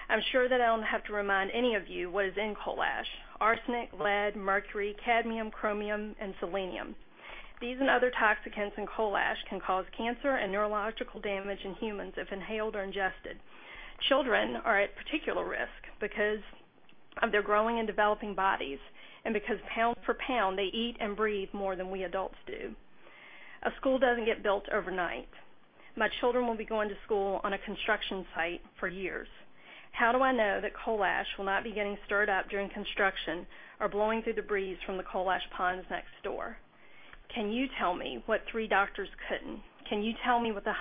I'm sure that I don't have to remind any of you what is in coal ash. Arsenic, lead, mercury, cadmium, chromium, and selenium. These and other toxicants in coal ash can cause cancer and neurological damage in humans if inhaled or ingested. Children are at particular risk because of their growing and developing bodies, and because pound for pound, they eat and breathe more than we adults do. A school doesn't get built overnight. My children will be going to school on a construction site for years. How do I know that coal ash will not be getting stirred up during construction or blowing through the breeze from the coal ash ponds next door? Can you tell me what three doctors couldn't? Can you tell me with 100%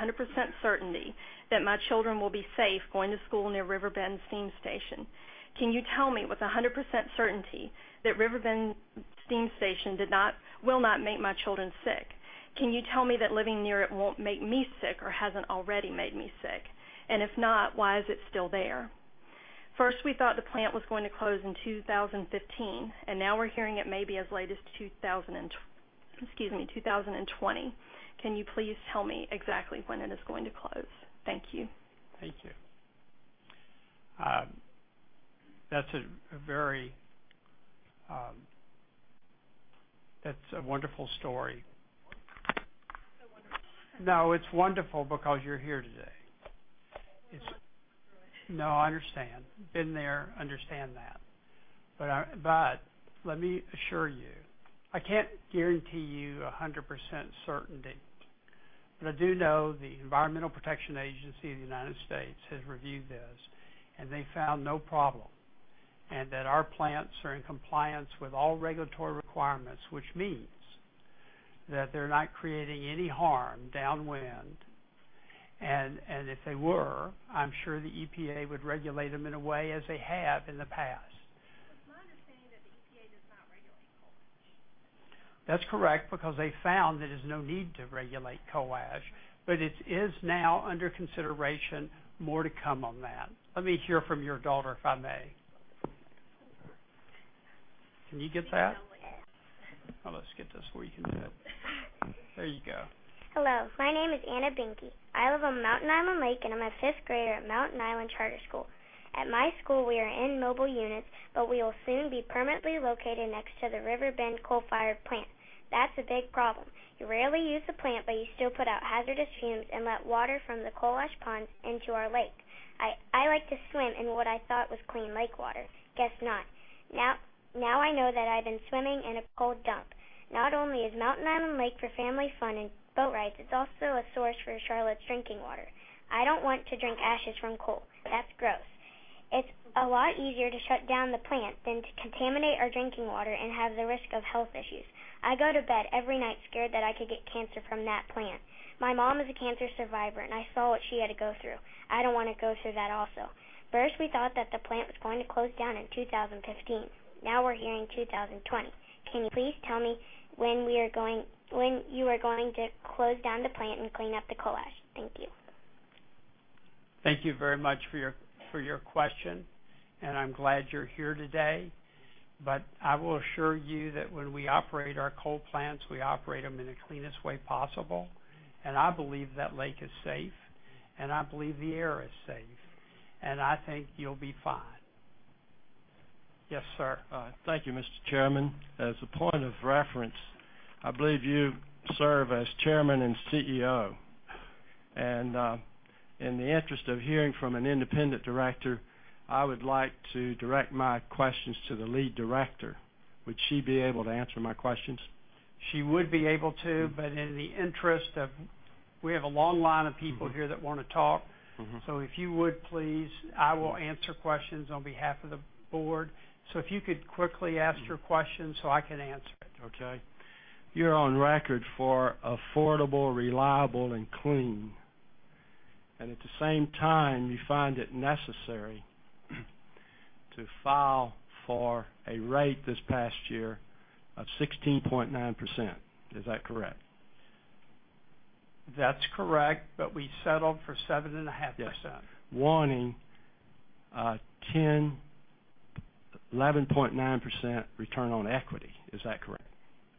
certainty that my children will be safe going to school near Riverbend Steam Station? Can you tell me with 100% certainty that Riverbend Steam Station will not make my children sick? Can you tell me that living near it won't make me sick or hasn't already made me sick? If not, why is it still there? First, we thought the plant was going to close in 2015. Now we're hearing it may be as late as 2020. Can you please tell me exactly when it is going to close? Thank you. Thank you. That's a wonderful story. It's a wonderful story. It's wonderful because you're here today. I don't want my daughter to go through it. No, I understand. Been there, understand that. Let me assure you, I can't guarantee you 100% certainty, but I do know the Environmental Protection Agency of the U.S. has reviewed this, and they found no problem. Our plants are in compliance with all regulatory requirements, which means that they're not creating any harm downwind. If they were, I'm sure the EPA would regulate them in a way, as they have in the past. It's my understanding that the EPA does not regulate coal ash. That's correct, because they found there is no need to regulate coal ash. It is now under consideration. More to come on that. Let me hear from your daughter, if I may. Can you get that? Yes. Let's get this where you can do it. There you go. Hello, my name is Anna Binkey. I live on Mountain Island Lake, and I'm a fifth grader at Mountain Island Charter School. At my school, we are in mobile units, but we will soon be permanently located next to the Riverbend Coal-Fired Plant. That's a big problem. You rarely use the plant, but you still put out hazardous fumes and let water from the coal ash ponds into our lake. I like to swim in what I thought was clean lake water. Guess not. Now I know that I've been swimming in a coal dump. Not only is Mountain Island Lake for family fun and boat rides, it's also a source for Charlotte's drinking water. I don't want to drink ashes from coal. That's gross. It's a lot easier to shut down the plant than to contaminate our drinking water and have the risk of health issues. I go to bed every night scared that I could get cancer from that plant. My mom is a cancer survivor, and I saw what she had to go through. I don't want to go through that also. First, we thought that the plant was going to close down in 2015. Now we're hearing 2020. Can you please tell me when you are going to close down the plant and clean up the coal ash? Thank you. Thank you very much for your question, and I'm glad you're here today. I will assure you that when we operate our coal plants, we operate them in the cleanest way possible. I believe that lake is safe, and I believe the air is safe, and I think you'll be fine. Yes, sir. Thank you, Mr. Chairman. As a point of reference, I believe you serve as chairman and CEO. In the interest of hearing from an independent director, I would like to direct my questions to the lead director. Would she be able to answer my questions? She would be able to, but in the interest of, we have a long line of people here that want to talk. If you would, please, I will answer questions on behalf of the board. If you could quickly ask your question so I can answer it. Okay. You're on record for affordable, reliable, and clean. At the same time, you find it necessary to file for a rate this past year of 16.9%. Is that correct? That's correct. We settled for 7.5%. Yes. Wanting a 10, 11.9% return on equity. Is that correct?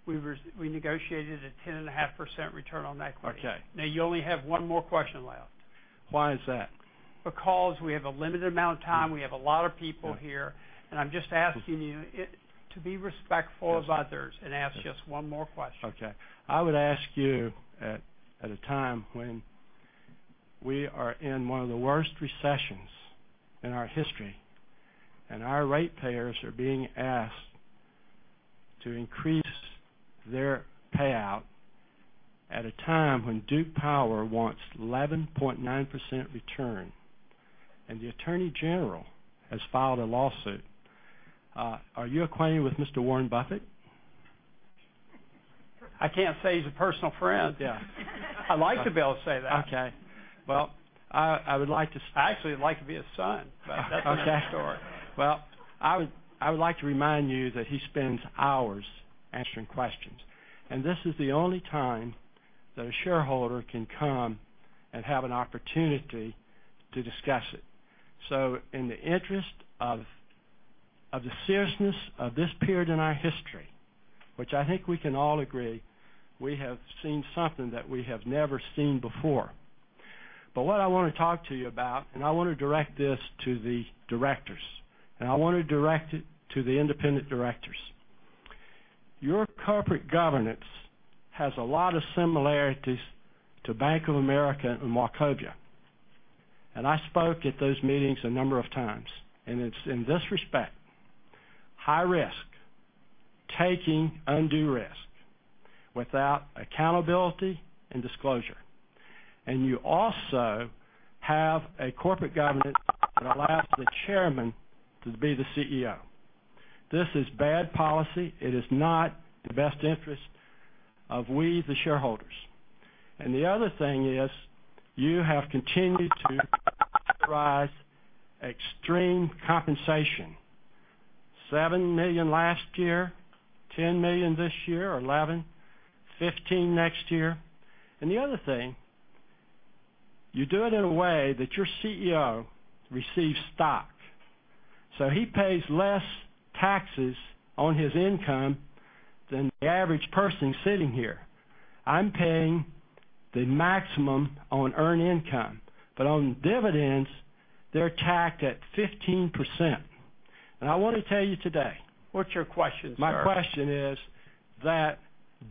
We negotiated a 10.5% return on equity. Okay. Now you only have one more question left. Why is that? We have a limited amount of time. We have a lot of people here. Yeah. I'm just asking you to be respectful of others. Yes Ask just one more question. Okay. I would ask you, at a time when we are in one of the worst recessions in our history, and our ratepayers are being asked to increase their payout at a time when Duke Power wants 11.9% return, and the attorney general has filed a lawsuit, are you acquainted with Mr. Warren Buffett? I can't say he's a personal friend. Yeah. I'd like to be able to say that. Okay. Well, I would like to. I actually would like to be his son. That's another story. Well, I would like to remind you that he spends hours answering questions, and this is the only time that a shareholder can come and have an opportunity to discuss it. In the interest of the seriousness of this period in our history, which I think we can all agree, we have seen something that we have never seen before. What I want to talk to you about, and I want to direct this to the directors, and I want to direct it to the independent directors. Your corporate governance has a lot of similarities to Bank of America and Wachovia. I spoke at those meetings a number of times, and it's in this respect, high risk, taking undue risk, without accountability and disclosure. You also have a corporate governance that allows the chairman to be the CEO. This is bad policy. It is not in the best interest of we, the shareholders. The other thing is, you have continued to authorize extreme compensation. $7 million last year, $10 million this year, or $11 million, $15 million next year. The other thing, you do it in a way that your CEO receives stock, so he pays less taxes on his income than the average person sitting here. I'm paying the maximum on earned income, but on dividends, they're taxed at 15%. I want to tell you today. What's your question, sir? My question is that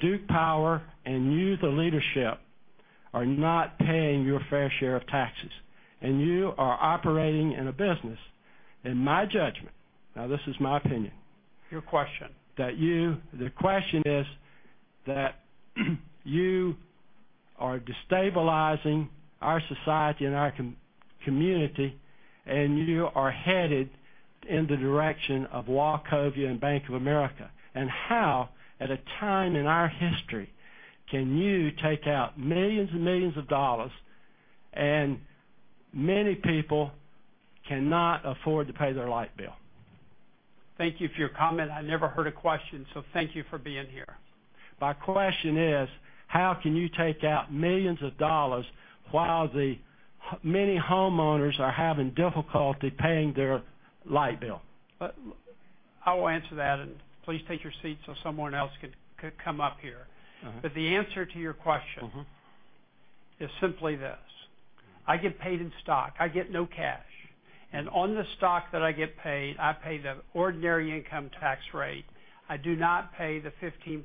Duke Power and you, the leadership, are not paying your fair share of taxes, and you are operating in a business, in my judgment. Now this is my opinion. Your question The question is that you are destabilizing our society and our community, and you are headed in the direction of Wachovia and Bank of America. How, at a time in our history, can you take out millions and millions of dollars, and many people cannot afford to pay their light bill? Thank you for your comment. I never heard a question. Thank you for being here. My question is, how can you take out millions of dollars while the many homeowners are having difficulty paying their light bill? I will answer that, and please take your seat so someone else could come up here. The answer to your question. is simply this. I get paid in stock. I get no cash. On the stock that I get paid, I pay the ordinary income tax rate. I do not pay the 15%.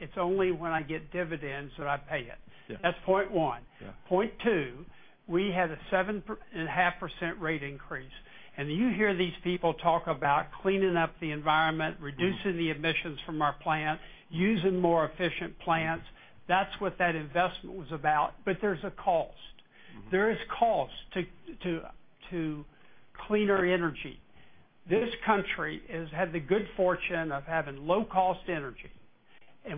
It's only when I get dividends that I pay it. Yeah. That's point one. Yeah. Point two, we had a 7.5% rate increase. You hear these people talk about cleaning up the environment, reducing the emissions from our plant, using more efficient plants. That's what that investment was about. There's a cost. There is cost to cleaner energy. This country has had the good fortune of having low-cost energy.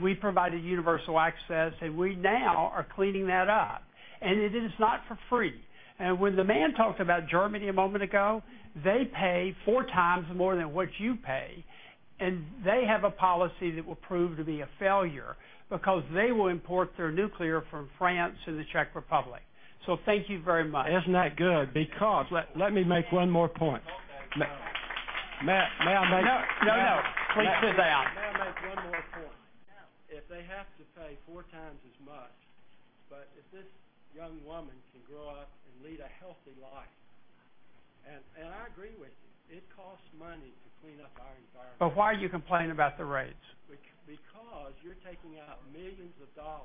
We provided universal access, and we now are cleaning that up, and it is not for free. When the man talked about Germany a moment ago, they pay four times more than what you pay, and they have a policy that will prove to be a failure because they will import their nuclear from France and the Czech Republic. Thank you very much. Isn't that good? Let me make one more point. No. No, no. Please sit down. May I make one more point? No. If they have to pay four times as much, if this young woman can grow up and lead a healthy life, I agree with you, it costs money to clean up our environment. Why are you complaining about the rates? You're taking out millions of dollars.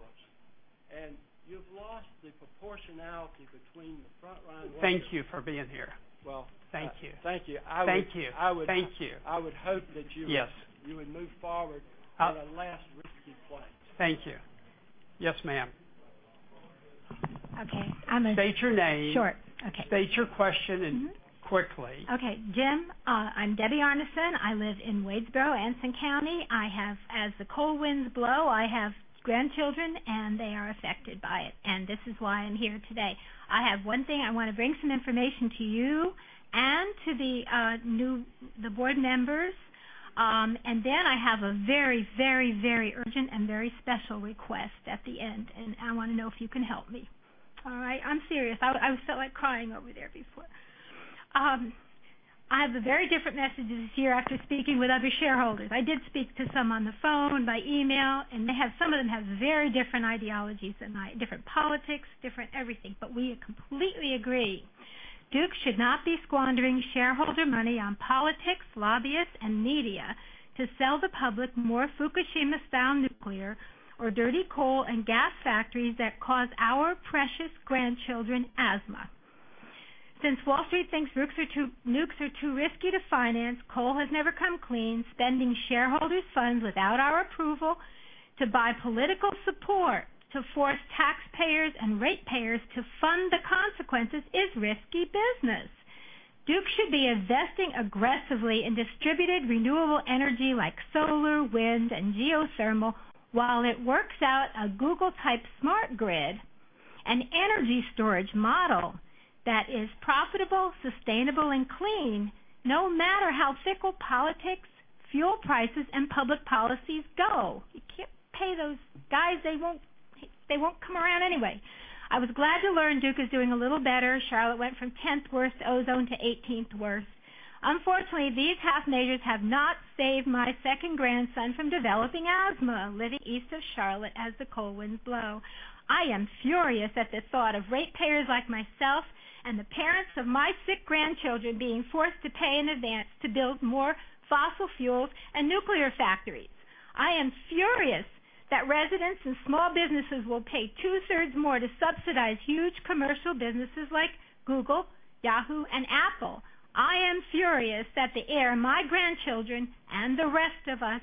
You've lost the proportionality between the front-line worker. Thank you for being here. Well- Thank you. Thank you. Thank you. I would- Thank you. I would hope that you would. Yes you would move forward. I'll- at a less risky place. Thank you. Yes, ma'am. Okay. I'm going to. State your name. Sure. Okay. State your question and- quickly. Okay. Jim, I'm Debbie Arneson. I live in Wadesboro, Anson County. As the cold winds blow, I have grandchildren, and they are affected by it, and this is why I'm here today. I have one thing. I want to bring some information to you and to the board members. I have a very urgent and very special request at the end, and I want to know if you can help me. All right? I'm serious. I felt like crying over there before. I have a very different message this year after speaking with other shareholders. I did speak to some on the phone, by email, and some of them have very different ideologies than I. Different politics, different everything. We completely agree Duke should not be squandering shareholder money on politics, lobbyists, and media to sell the public more Fukushima-style nuclear or dirty coal and gas factories that cause our precious grandchildren asthma. Since Wall Street thinks nukes are too risky to finance, coal has never come clean, spending shareholders' funds without our approval to buy political support to force taxpayers and ratepayers to fund the consequences is risky business. Duke should be investing aggressively in distributed renewable energy like solar, wind, and geothermal while it works out a Google-type smart grid and energy storage model that is profitable, sustainable, and clean no matter how fickle politics, fuel prices, and public policies go. You can't pay those guys. They won't come around anyway. I was glad to learn Duke is doing a little better. Charlotte went from 10th worst ozone to 18th worst. Unfortunately, these half measures have not saved my second grandson from developing asthma living east of Charlotte as the cold winds blow. I am furious at the thought of ratepayers like myself and the parents of my sick grandchildren being forced to pay in advance to build more fossil fuels and nuclear factories. I am furious that residents and small businesses will pay two-thirds more to subsidize huge commercial businesses like Google, Yahoo, and Apple. I am furious that the air my grandchildren and the rest of us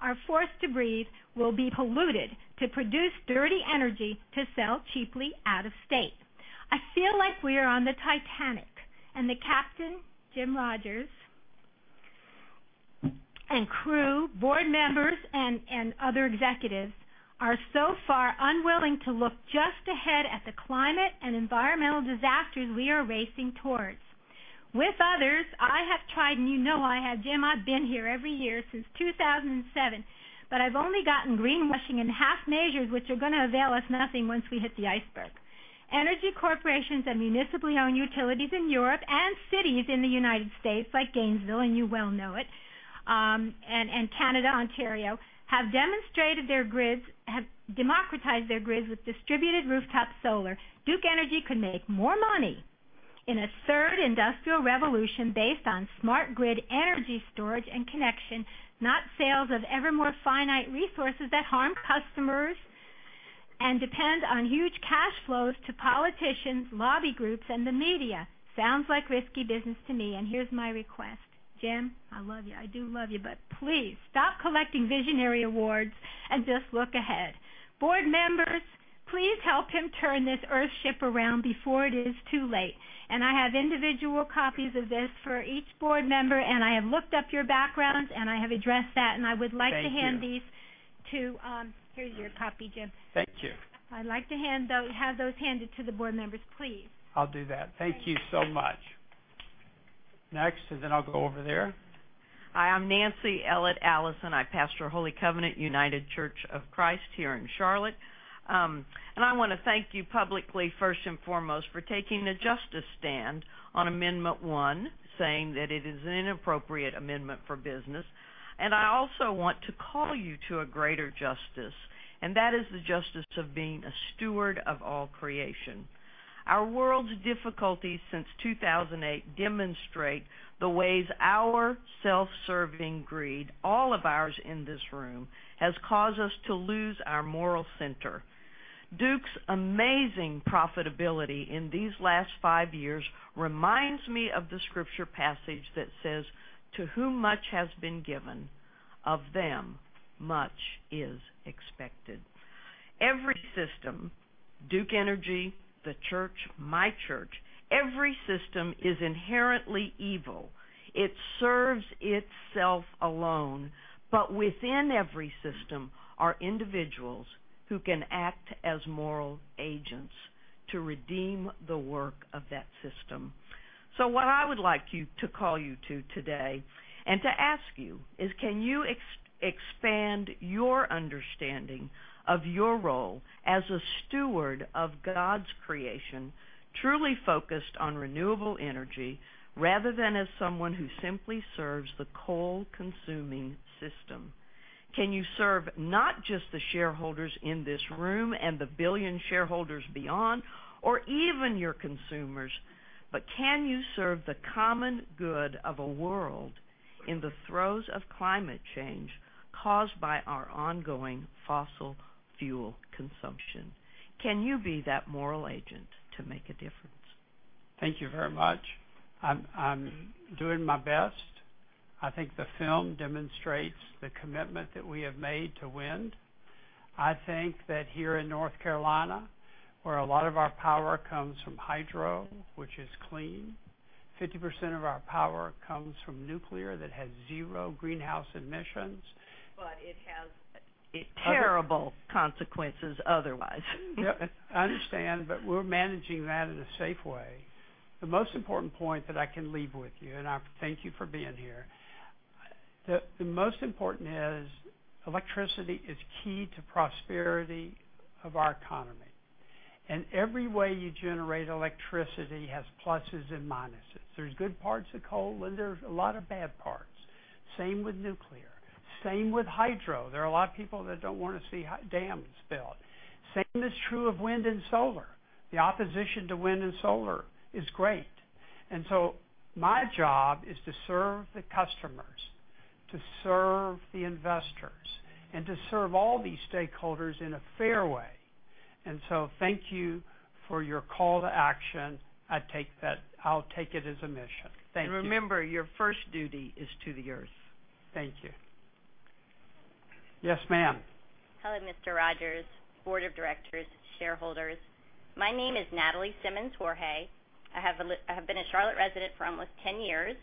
are forced to breathe will be polluted to produce dirty energy to sell cheaply out of state. I feel like we are on the Titanic, and the captain, Jim Rogers, and crew, board members, and other executives are so far unwilling to look just ahead at the climate and environmental disasters we are racing towards. With others, I have tried, and you know I have, Jim. I've been here every year since 2007. I've only gotten greenwashing and half measures, which are going to avail us nothing once we hit the iceberg. Energy corporations and municipally owned utilities in Europe and cities in the U.S., like Gainesville, and you well know it, and Canada, Ontario, have democratized their grids with distributed rooftop solar. Duke Energy could make more money in a third industrial revolution based on smart grid energy storage and connection, not sales of ever more finite resources that harm customers and depend on huge cash flows to politicians, lobby groups, and the media. Sounds like risky business to me. Here's my request. Jim, I love you. I do love you. Please stop collecting visionary awards and just look ahead. Board members, please help him turn this Earth ship around before it is too late. I have individual copies of this for each board member. I have looked up your backgrounds. I have addressed that. Thank you Here's your copy, Jim. Thank you. I'd like to have those handed to the board members, please. I'll do that. Thank you so much. Next, then I'll go over there. Hi, I'm Nancy Ellett Allison. I pastor Holy Covenant United Church of Christ here in Charlotte. I want to thank you publicly, first and foremost, for taking a justice stand on Amendment 1, saying that it is an inappropriate amendment for business. I also want to call you to a greater justice, and that is the justice of being a steward of all creation. Our world's difficulties since 2008 demonstrate the ways our self-serving greed, all of ours in this room, has caused us to lose our moral center. Duke's amazing profitability in these last five years reminds me of the scripture passage that says, "To whom much has been given, of them much is expected." Every system, Duke Energy, the church, my church, every system is inherently evil. It serves itself alone. Within every system are individuals who can act as moral agents to redeem the work of that system. What I would like to call you to today and to ask you is can you expand your understanding of your role as a steward of God's creation, truly focused on renewable energy rather than as someone who simply serves the coal-consuming system? Can you serve not just the shareholders in this room and the billion shareholders beyond or even your consumers, but can you serve the common good of a world in the throes of climate change caused by our ongoing fossil fuel consumption. Can you be that moral agent to make a difference? Thank you very much. I'm doing my best. I think the film demonstrates the commitment that we have made to wind. I think that here in North Carolina, where a lot of our power comes from hydro, which is clean, 50% of our power comes from nuclear that has zero greenhouse emissions. It has terrible consequences otherwise. Yep, I understand, but we're managing that in a safe way. The most important point that I can leave with you, and I thank you for being here, the most important is electricity is key to prosperity of our economy. Every way you generate electricity has pluses and minuses. There's good parts of coal, and there's a lot of bad parts. Same with nuclear, same with hydro. There are a lot of people that don't want to see dams built. Same is true of wind and solar. The opposition to wind and solar is great. My job is to serve the customers, to serve the investors, and to serve all these stakeholders in a fair way. Thank you for your call to action. I'll take it as a mission. Thank you. Remember, your first duty is to the Earth. Thank you. Yes, ma'am. Hello, Mr. Rogers, board of directors, shareholders. My name is Nathalie Simmons Jorge. I have been a Charlotte resident for almost 10 years.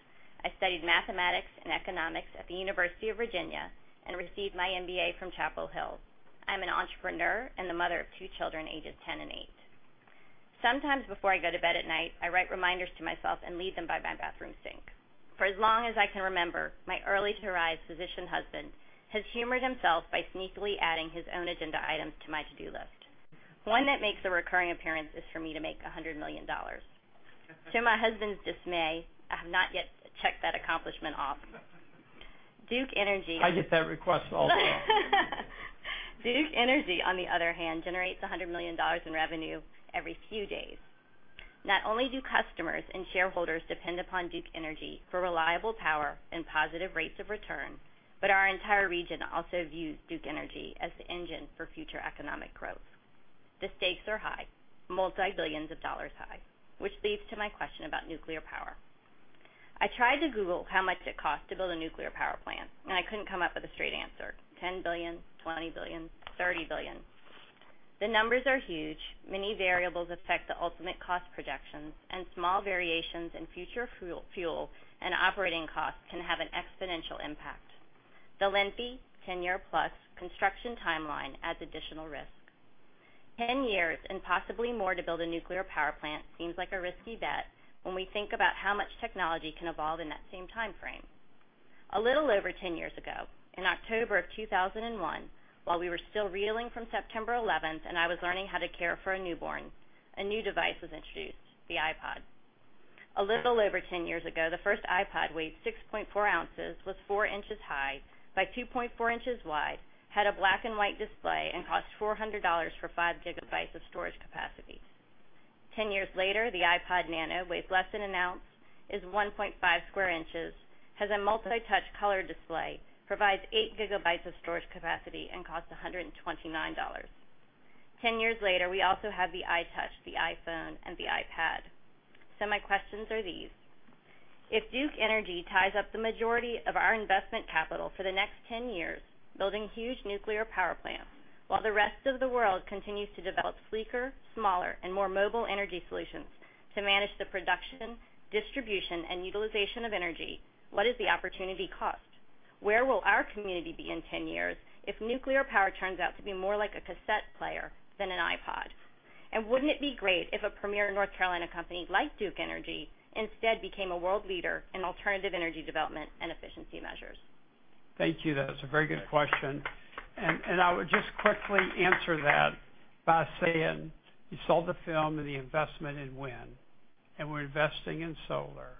I studied mathematics and economics at the University of Virginia and received my MBA from Chapel Hill. I'm an entrepreneur and the mother of two children, ages 10 and eight. Sometimes before I go to bed at night, I write reminders to myself and leave them by my bathroom sink. For as long as I can remember, my early-to-rise physician husband has humored himself by sneakily adding his own agenda items to my to-do list. One that makes a recurring appearance is for me to make $100 million. To my husband's dismay, I have not yet checked that accomplishment off. Duke Energy I get that request also. Duke Energy, on the other hand, generates $100 million in revenue every few days. Not only do customers and shareholders depend upon Duke Energy for reliable power and positive rates of return, but our entire region also views Duke Energy as the engine for future economic growth. The stakes are high, multi-billions of dollars high, which leads to my question about nuclear power. I tried to Google how much it costs to build a nuclear power plant, and I couldn't come up with a straight answer. $10 billion, $20 billion, $30 billion. The numbers are huge. Many variables affect the ultimate cost projections, and small variations in future fuel and operating costs can have an exponential impact. The lengthy 10-year-plus construction timeline adds additional risk. 10 years and possibly more to build a nuclear power plant seems like a risky bet when we think about how much technology can evolve in that same timeframe. A little over 10 years ago, in October of 2001, while we were still reeling from September 11th and I was learning how to care for a newborn, a new device was introduced, the iPod. A little over 10 years ago, the first iPod weighed 6.4 oz, was 4 in high by 2.4 in wide, had a black and white display, and cost $400 for five GB of storage capacity. 10 years later, the iPod Nano weighs less than an ounce, is 1.5 sq in, has a multi-touch color display, provides eight GB of storage capacity, and costs $129. 10 years later, we also have the iTouch, the iPhone, and the iPad. My questions are these: If Duke Energy ties up the majority of our investment capital for the next 10 years building huge nuclear power plants while the rest of the world continues to develop sleeker, smaller, and more mobile energy solutions to manage the production, distribution, and utilization of energy, what is the opportunity cost? Where will our community be in 10 years if nuclear power turns out to be more like a cassette player than an iPod? Wouldn't it be great if a premier North Carolina company like Duke Energy instead became a world leader in alternative energy development and efficiency measures? Thank you. That's a very good question. I would just quickly answer that by saying you saw the film and the investment in wind, we're investing in solar.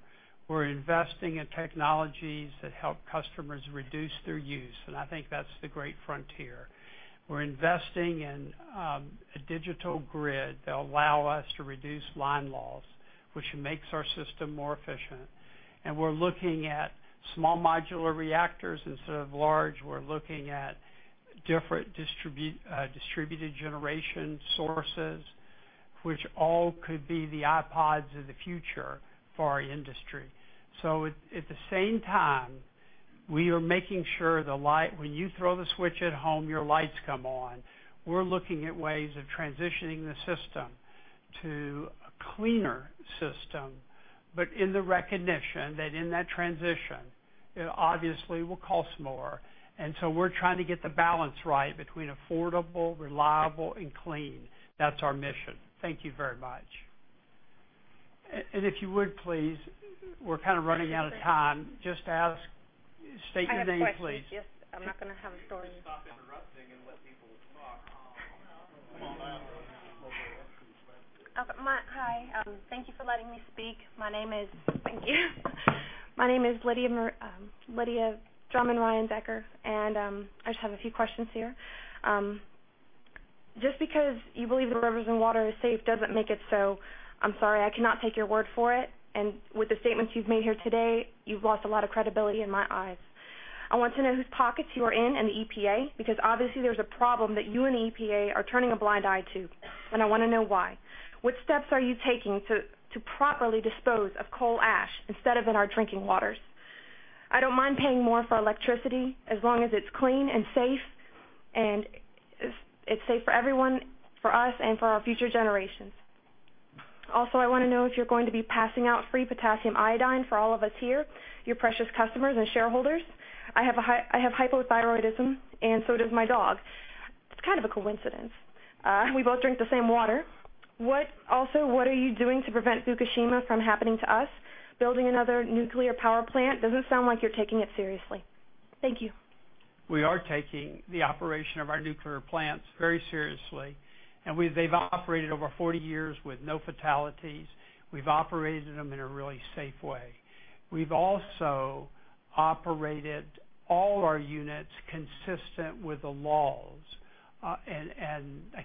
We're investing in technologies that help customers reduce their use, I think that's the great frontier. We're investing in a digital grid that'll allow us to reduce line loss, which makes our system more efficient. We're looking at small modular reactors instead of large. We're looking at different distributed generation sources, which all could be the iPods of the future for our industry. At the same time, we are making sure the light, when you throw the switch at home, your lights come on. We're looking at ways of transitioning the system to a cleaner system, but in the recognition that in that transition, it obviously will cost more. We're trying to get the balance right between affordable, reliable, and clean. That's our mission. Thank you very much. If you would please, we're kind of running out of time. Just state your name, please. I have a question. I'm not going to have a story. If you would stop interrupting and let people talk. Oh, no. Come on. Hi. Thank you for letting me speak. My name is Lydia Drummond Ryan Becker, and I just have a few questions here. Just because you believe the rivers and water are safe doesn't make it so. I'm sorry, I cannot take your word for it, and with the statements you've made here today, you've lost a lot of credibility in my eyes. I want to know whose pockets you are in in the EPA, because obviously there's a problem that you and the EPA are turning a blind eye to, and I want to know why. What steps are you taking to properly dispose of coal ash instead of in our drinking waters? I don't mind paying more for electricity as long as it's clean and safe, and it's safe for everyone, for us, and for our future generations. Also, I want to know if you're going to be passing out free potassium iodine for all of us here, your precious customers and shareholders. I have hypothyroidism, and so does my dog. It's kind of a coincidence. We both drink the same water. What are you doing to prevent Fukushima from happening to us? Building another nuclear power plant doesn't sound like you're taking it seriously. Thank you. We are taking the operation of our nuclear plants very seriously, and they've operated over 40 years with no fatalities. We've operated them in a really safe way. We've also operated all our units consistent with the laws. I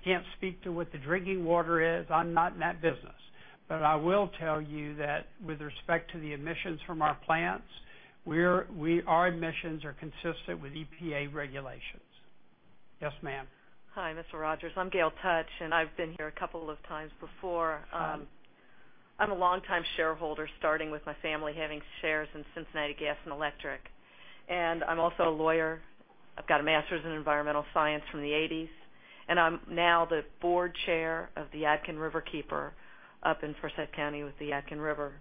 can't speak to what the drinking water is. I'm not in that business, but I will tell you that with respect to the emissions from our plants, our emissions are consistent with EPA regulations. Yes, ma'am. Hi, Mr. Rogers. I'm Gail Touch, and I've been here a couple of times before. Hi. I'm a longtime shareholder, starting with my family having shares in Cincinnati Gas & Electric. I'm also a lawyer. I've got a master's in environmental science from the '80s. I'm now the board chair of the Yadkin Riverkeeper up in Forsyth County with the Yadkin River.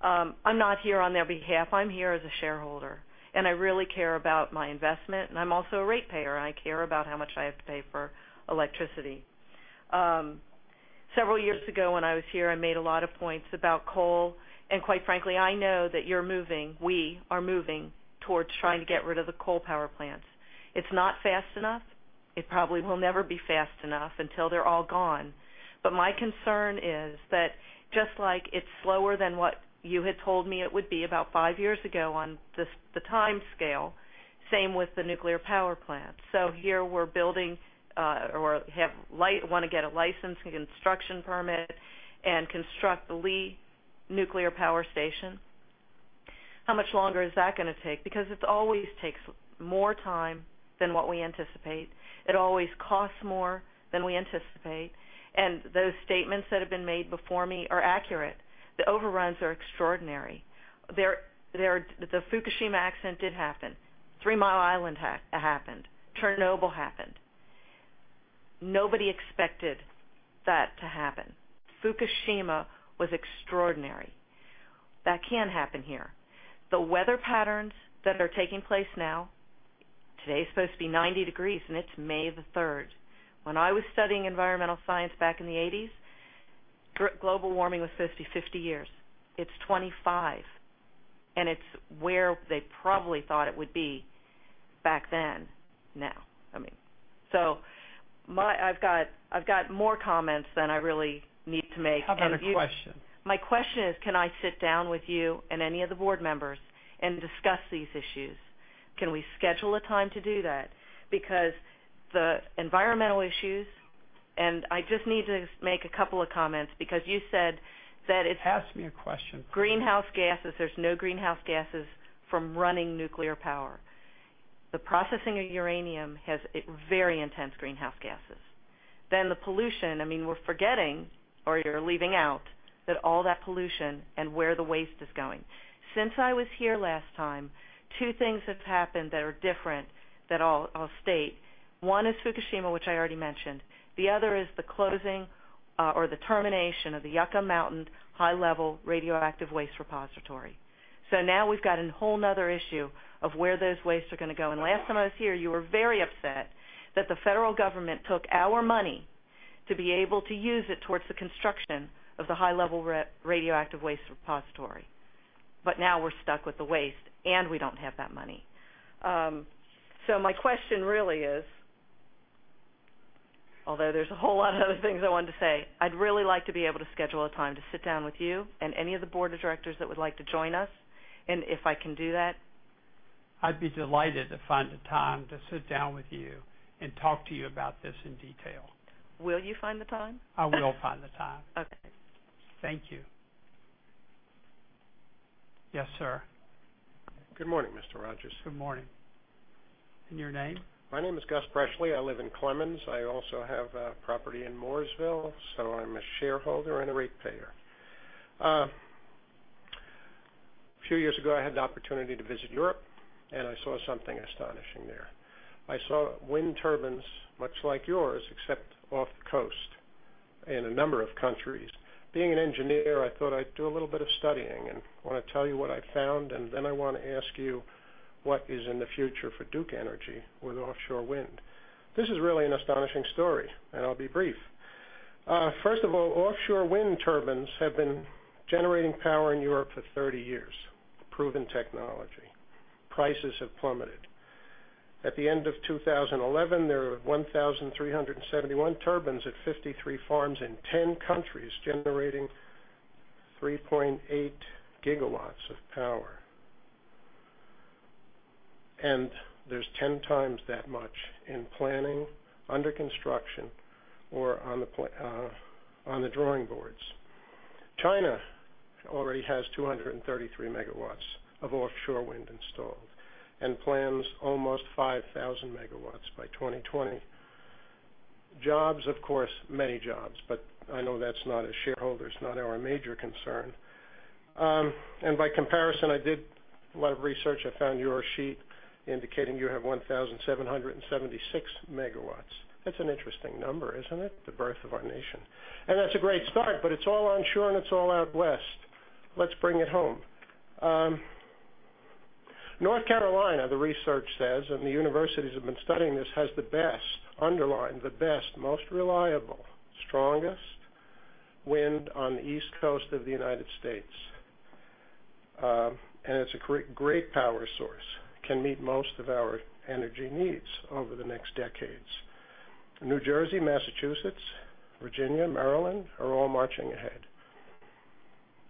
I'm not here on their behalf. I'm here as a shareholder, and I really care about my investment, and I'm also a ratepayer. I care about how much I have to pay for electricity. Several years ago, when I was here, I made a lot of points about coal. Quite frankly, I know that you're moving, we are moving towards trying to get rid of the coal power plants. It's not fast enough. It probably will never be fast enough until they're all gone. My concern is that just like it's slower than what you had told me it would be about five years ago on the timescale, same with the nuclear power plant. Here we want to get a license and construction permit and construct the Lee nuclear power station. How much longer is that going to take? It always takes more time than what we anticipate. It always costs more than we anticipate, and those statements that have been made before me are accurate. The overruns are extraordinary. The Fukushima accident did happen. Three Mile Island happened. Chernobyl happened. Nobody expected that to happen. Fukushima was extraordinary. That can happen here. The weather patterns that are taking place now, today's supposed to be 90 degrees Fahrenheit, and it's May the 3rd. When I was studying environmental science back in the '80s, global warming was supposed to be 50 years. It's 25. It's where they probably thought it would be back then now. I've got more comments than I really need to make. How about a question? My question is: Can I sit down with you and any of the board members and discuss these issues? Can we schedule a time to do that? The environmental issues, and I just need to make a couple of comments, because you said that. Ask me a question, please. greenhouse gases, there's no greenhouse gases from running nuclear power. The processing of uranium has very intense greenhouse gases. The pollution, we're forgetting, or you're leaving out, that all that pollution and where the waste is going. Since I was here last time, two things have happened that are different that I'll state. One is Fukushima, which I already mentioned. The other is the closing, or the termination, of the Yucca Mountain high-level radioactive waste repository. Now we've got a whole other issue of where those wastes are going to go. Last time I was here, you were very upset that the federal government took our money to be able to use it towards the construction of the high-level radioactive waste repository. Now we're stuck with the waste, and we don't have that money. My question really is, although there's a whole lot of other things I wanted to say, I'd really like to be able to schedule a time to sit down with you and any of the Board of Directors that would like to join us, and if I can do that. I'd be delighted to find a time to sit down with you and talk to you about this in detail. Will you find the time? I will find the time. Okay. Thank you. Yes, sir. Good morning, Mr. Rogers. Good morning. Your name? My name is Gus Presley. I live in Clemmons. I also have property in Mooresville, I'm a shareholder and a ratepayer. A few years ago, I had the opportunity to visit Europe, I saw something astonishing there. I saw wind turbines much like yours, except off the coast in a number of countries. Being an engineer, I thought I'd do a little bit of studying, I want to tell you what I found, then I want to ask you what is in the future for Duke Energy with offshore wind. This is really an astonishing story, I'll be brief. First of all, offshore wind turbines have been generating power in Europe for 30 years. Proven technology. Prices have plummeted. At the end of 2011, there were 1,371 turbines at 53 farms in 10 countries generating 3.8 gigawatts of power. There's 10 times that much in planning, under construction, or on the drawing boards. China already has 233 megawatts of offshore wind installed and plans almost 5,000 megawatts by 2020. Jobs, of course, many jobs, but I know that's not a shareholder's, not our major concern. By comparison, I did a lot of research. I found your sheet indicating you have 1,776 megawatts. That's an interesting number, isn't it? The birth of our nation. That's a great start, but it's all onshore and it's all out West. Let's bring it home. North Carolina, the research says, and the universities have been studying this, has the best, underlined, the best, most reliable, strongest wind on the East Coast of the U.S. It's a great power source. Can meet most of our energy needs over the next decades. New Jersey, Massachusetts, Virginia, Maryland are all marching ahead.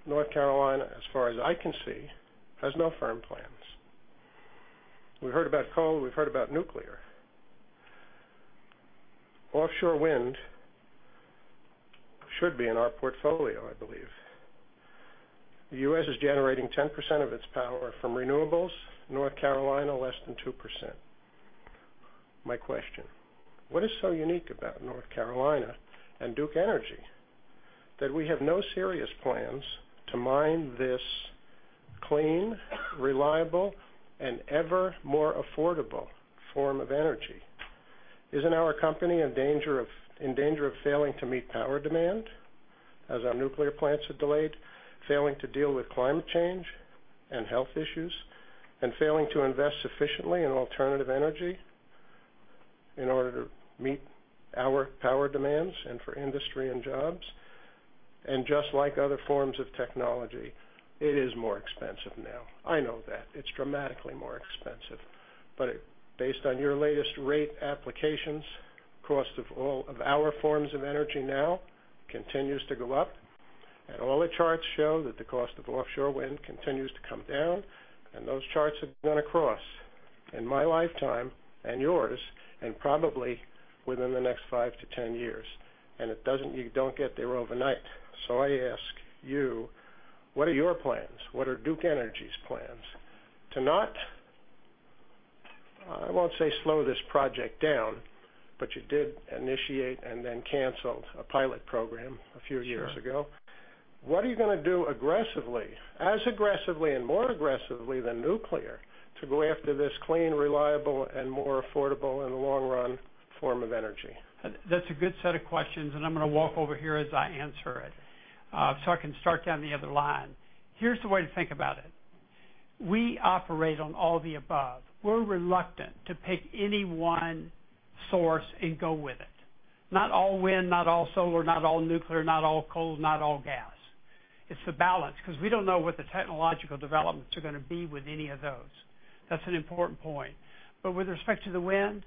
North Carolina, as far as I can see, has no firm plans. We heard about coal, we've heard about nuclear. Offshore wind should be in our portfolio, I believe. The U.S. is generating 10% of its power from renewables. North Carolina, less than 2%. My question: What is so unique about North Carolina and Duke Energy that we have no serious plans to mine this clean, reliable, and ever more affordable form of energy? Isn't our company in danger of failing to meet power demand as our nuclear plants are delayed, failing to deal with climate change and health issues, and failing to invest sufficiently in alternative energy in order to meet our power demands and for industry and jobs? Just like other forms of technology, it is more expensive now. I know that. It's dramatically more expensive. Based on your latest rate applications, cost of our forms of energy now continues to go up. All the charts show that the cost of offshore wind continues to come down, and those charts have gone across in my lifetime and yours, and probably within the next 5 to 10 years. You don't get there overnight. I ask you, what are your plans? What are Duke Energy's plans? To not, I won't say slow this project down, but you did initiate and then canceled a pilot program a few years ago. Sure. What are you going to do aggressively, as aggressively and more aggressively than nuclear to go after this clean, reliable, and more affordable, in the long run, form of energy? That's a good set of questions, and I'm going to walk over here as I answer it, so I can start down the other line. Here's the way to think about it. We operate on all the above. We're reluctant to pick any one source and go with it. Not all wind, not all solar, not all nuclear, not all coal, not all gas. It's the balance, because we don't know what the technological developments are going to be with any of those. That's an important point. With respect to the wind,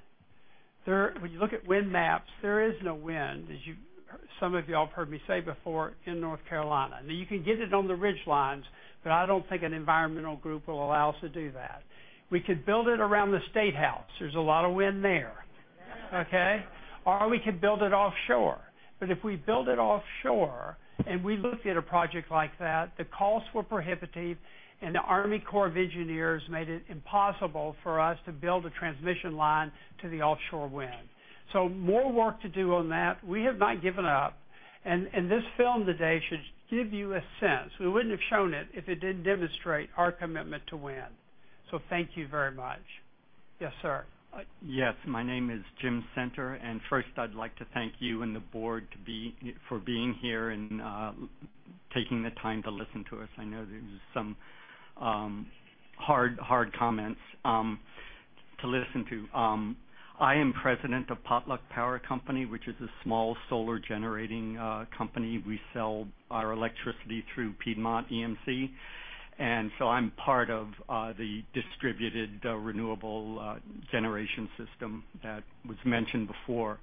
when you look at wind maps, there is no wind, as some of you all have heard me say before, in North Carolina. Now, you can get it on the ridge lines, but I don't think an environmental group will allow us to do that. We could build it around the State House. There's a lot of wind there. Okay. We could build it offshore. If we build it offshore, and we looked at a project like that, the costs were prohibitive, and the Army Corps of Engineers made it impossible for us to build a transmission line to the offshore wind. More work to do on that. We have not given up. This film today should give you a sense. We wouldn't have shown it if it didn't demonstrate our commitment to wind. Thank you very much. Yes, sir. Yes, my name is Jim Center, and first I'd like to thank you and the board for being here and taking the time to listen to us. I know there's some hard comments to listen to. I am president of Potluck Power Company, which is a small solar generating company. We sell our electricity through Piedmont EMC, I'm part of the distributed renewable generation system that was mentioned before.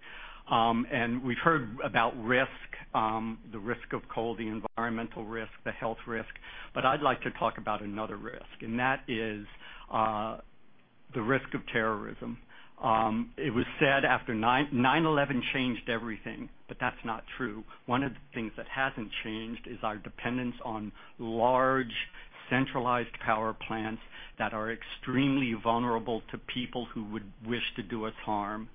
We've heard about risk, the risk of coal, the environmental risk, the health risk. I'd like to talk about another risk, and that is the risk of terrorism. It was said after 9/11 changed everything, that's not true. One of the things that hasn't changed is our dependence on large, centralized power plants that are extremely vulnerable to people who would wish to do us harm.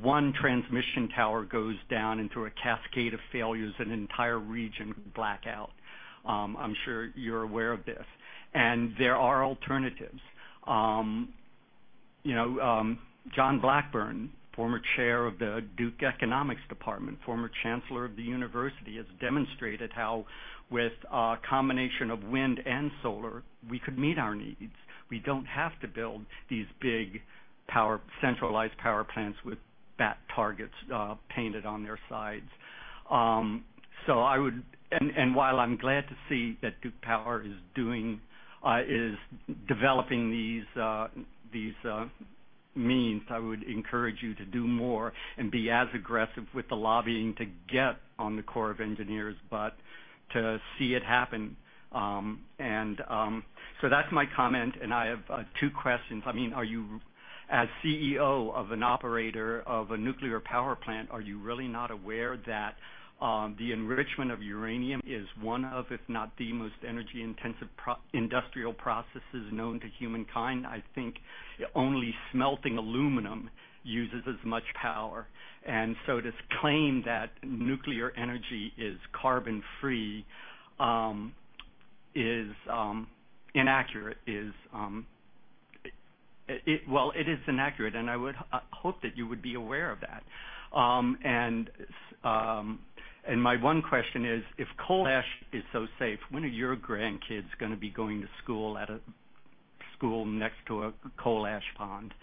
One transmission tower goes down and through a cascade of failures, an entire region could black out. I'm sure you're aware of this. There are alternatives. John Blackburn, former chair of the Duke Economics Department, former chancellor of the university, has demonstrated how with a combination of wind and solar, we could meet our needs. We don't have to build these big, centralized power plants with bat targets painted on their sides. While I'm glad to see that Duke Power is developing these means I would encourage you to do more and be as aggressive with the lobbying to get on the Corps of Engineers, to see it happen. That's my comment. I have two questions. As CEO of an operator of a nuclear power plant, are you really not aware that the enrichment of uranium is one of, if not the most energy-intensive industrial processes known to humankind? I think only smelting aluminum uses as much power. To claim that nuclear energy is carbon-free, is inaccurate. Well, it is inaccurate, I would hope that you would be aware of that. My one question is, if coal ash is so safe, when are your grandkids going to be going to school at a school next to a coal ash pond?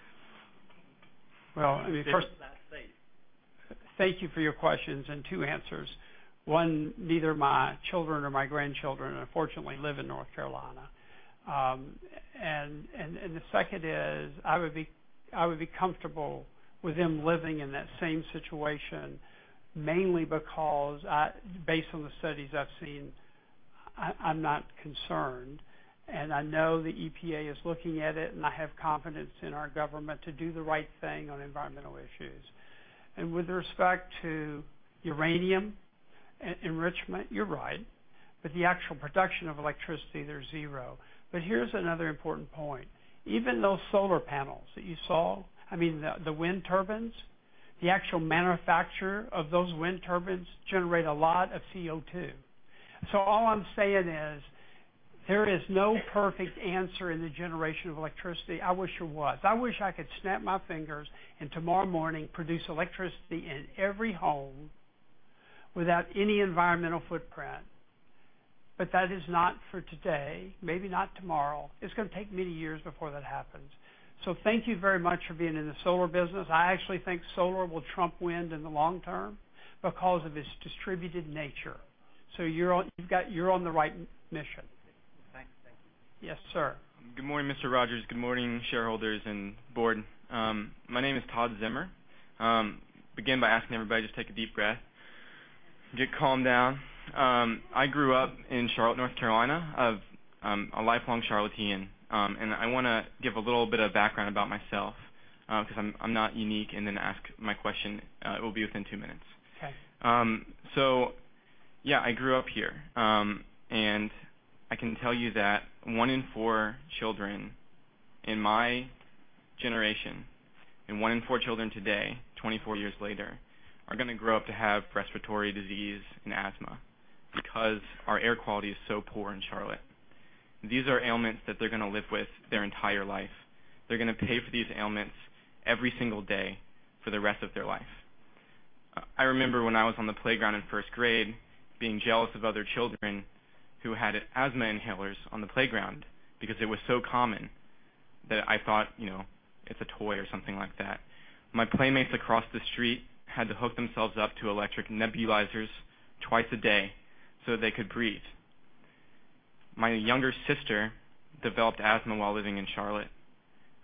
Well. If it's that safe. Thank you for your questions, and two answers. One, neither my children or my grandchildren, unfortunately, live in North Carolina. The second is, I would be comfortable with them living in that same situation, mainly because, based on the studies I've seen, I'm not concerned. I know the EPA is looking at it, and I have confidence in our government to do the right thing on environmental issues. With respect to uranium enrichment, you're right. The actual production of electricity, they're zero. Here's another important point. Even those solar panels that you saw, I mean, the wind turbines, the actual manufacture of those wind turbines generate a lot of CO2. All I'm saying is, there is no perfect answer in the generation of electricity. I wish there was. I wish I could snap my fingers and tomorrow morning produce electricity in every home without any environmental footprint. That is not for today, maybe not tomorrow. It's going to take many years before that happens. Thank you very much for being in the solar business. I actually think solar will trump wind in the long term because of its distributed nature. You're on the right mission. Thanks. Yes, sir. Good morning, Mr. Rogers. Good morning, shareholders and board. My name is Todd Zimmer. Begin by asking everybody to just take a deep breath. Get calmed down. I grew up in Charlotte, North Carolina. A lifelong Charlottean. I want to give a little bit of background about myself, because I'm not unique, and then ask my question. It will be within two minutes. Okay. Yeah, I grew up here. I can tell you that one in four children in my generation, and one in four children today, 24 years later, are going to grow up to have respiratory disease and asthma because our air quality is so poor in Charlotte. These are ailments that they're going to live with their entire life. They're going to pay for these ailments every single day for the rest of their life. I remember when I was on the playground in first grade, being jealous of other children who had asthma inhalers on the playground because it was so common that I thought it's a toy or something like that. My playmates across the street had to hook themselves up to electric nebulizers twice a day so they could breathe. My younger sister developed asthma while living in Charlotte.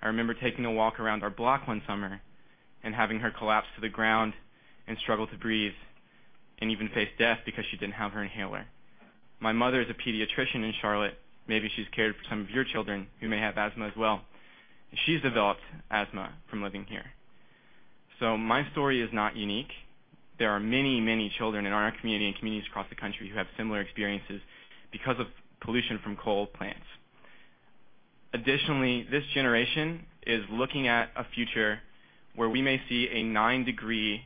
I remember taking a walk around our block one summer and having her collapse to the ground and struggle to breathe and even face death because she didn't have her inhaler. My mother is a pediatrician in Charlotte. Maybe she's cared for some of your children who may have asthma as well. She's developed asthma from living here. My story is not unique. There are many children in our community and communities across the country who have similar experiences because of pollution from coal plants. Additionally, this generation is looking at a future where we may see a nine-degree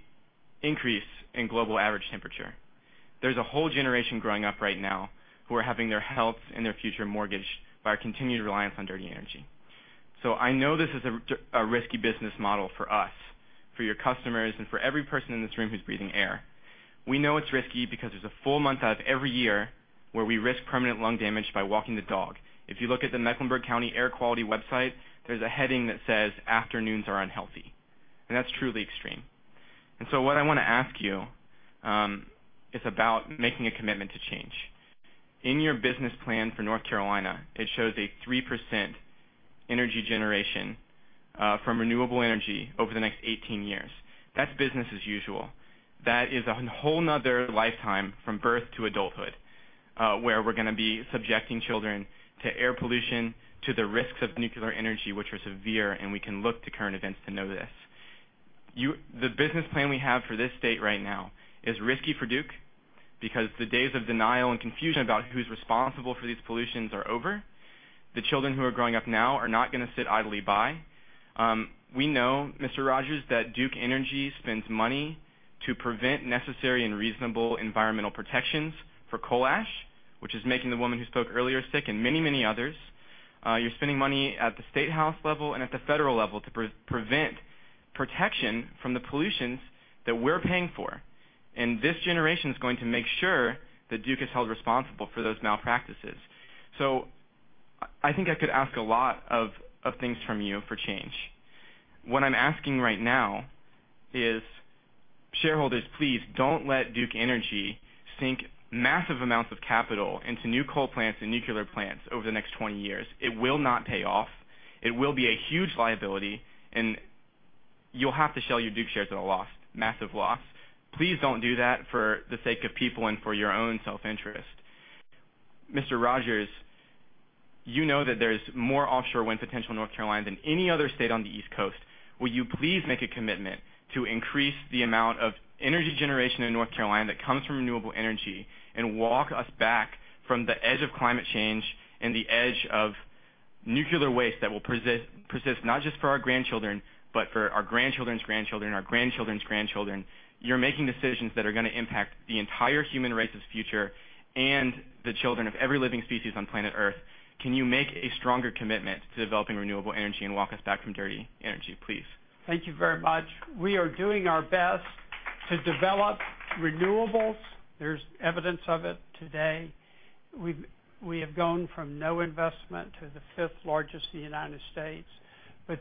increase in global average temperature. There's a whole generation growing up right now who are having their health and their future mortgaged by our continued reliance on dirty energy. I know this is a risky business model for us, for your customers, and for every person in this room who's breathing air. We know it's risky because there's a full month out of every year where we risk permanent lung damage by walking the dog. If you look at the Mecklenburg County Air Quality website, there's a heading that says, "Afternoons are unhealthy." That's truly extreme. What I want to ask you, is about making a commitment to change. In your business plan for North Carolina, it shows a 3% energy generation from renewable energy over the next 18 years. That's business as usual. That is a whole other lifetime from birth to adulthood, where we're going to be subjecting children to air pollution, to the risks of nuclear energy, which are severe, and we can look to current events to know this. The business plan we have for this state right now is risky for Duke, because the days of denial and confusion about who's responsible for these pollutions are over. The children who are growing up now are not going to sit idly by. We know, Mr. Rogers, that Duke Energy spends money to prevent necessary and reasonable environmental protections for coal ash, which is making the woman who spoke earlier sick and many others. You're spending money at the state house level and at the federal level to prevent protection from the pollutions that we're paying for. This generation is going to make sure that Duke is held responsible for those malpractices. I think I could ask a lot of things from you for change. What I'm asking right now is Shareholders, please don't let Duke Energy sink massive amounts of capital into new coal plants and nuclear plants over the next 20 years. It will not pay off. It will be a huge liability, and you'll have to sell your Duke shares at a loss, massive loss. Please don't do that for the sake of people and for your own self-interest. Mr. Rogers, you know that there's more offshore wind potential in North Carolina than any other state on the East Coast. Will you please make a commitment to increase the amount of energy generation in North Carolina that comes from renewable energy and walk us back from the edge of climate change and the edge of nuclear waste that will persist not just for our grandchildren, but for our grandchildren's grandchildren, our grandchildren's grandchildren. You're making decisions that are going to impact the entire human race's future and the children of every living species on planet Earth. Can you make a stronger commitment to developing renewable energy and walk us back from dirty energy, please? Thank you very much. We are doing our best to develop renewables. There's evidence of it today. We have gone from no investment to the fifth largest in the U.S.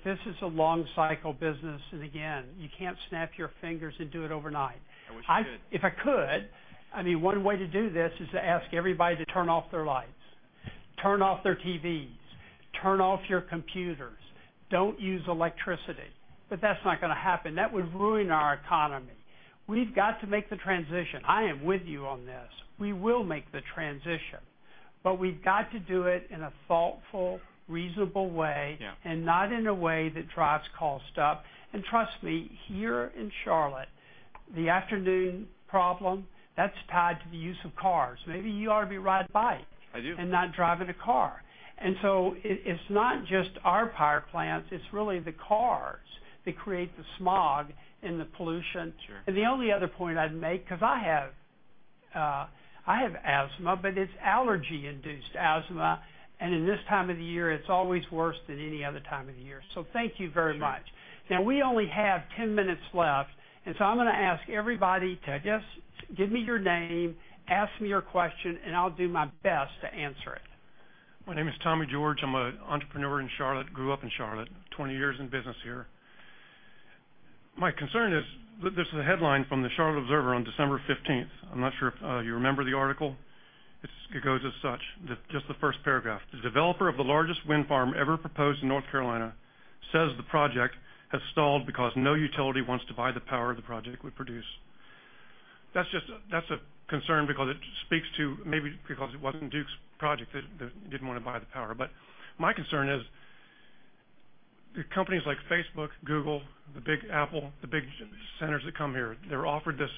This is a long cycle business, and again, you can't snap your fingers and do it overnight. I wish you could. If I could, one way to do this is to ask everybody to turn off their lights, turn off their TVs, turn off your computers, don't use electricity. That's not going to happen. That would ruin our economy. We've got to make the transition. I am with you on this. We will make the transition. We've got to do it in a thoughtful, reasonable way. Yeah Not in a way that drives cost up. Trust me, here in Charlotte, the afternoon problem, that's tied to the use of cars. Maybe you ought to be ride bike. I do Not driving a car. It's not just our power plants, it's really the cars that create the smog and the pollution. Sure. The only other point I'd make, because I have asthma, but it's allergy-induced asthma, and in this time of the year, it's always worse than any other time of the year. Thank you very much. Sure. Now, we only have 10 minutes left, and so I'm going to ask everybody to just give me your name, ask me your question, and I'll do my best to answer it. My name is Tommy George. I'm an entrepreneur in Charlotte, grew up in Charlotte, 20 years in business here. My concern is this is a headline from The Charlotte Observer on December 15th. I'm not sure if you remember the article. It goes as such, just the first paragraph. "The developer of the largest wind farm ever proposed in North Carolina says the project has stalled because no utility wants to buy the power the project would produce." That's a concern because it speaks to maybe because it wasn't Duke's project that didn't want to buy the power. My concern is companies like Facebook, Google, the big Apple, the big centers that come here, they're offered this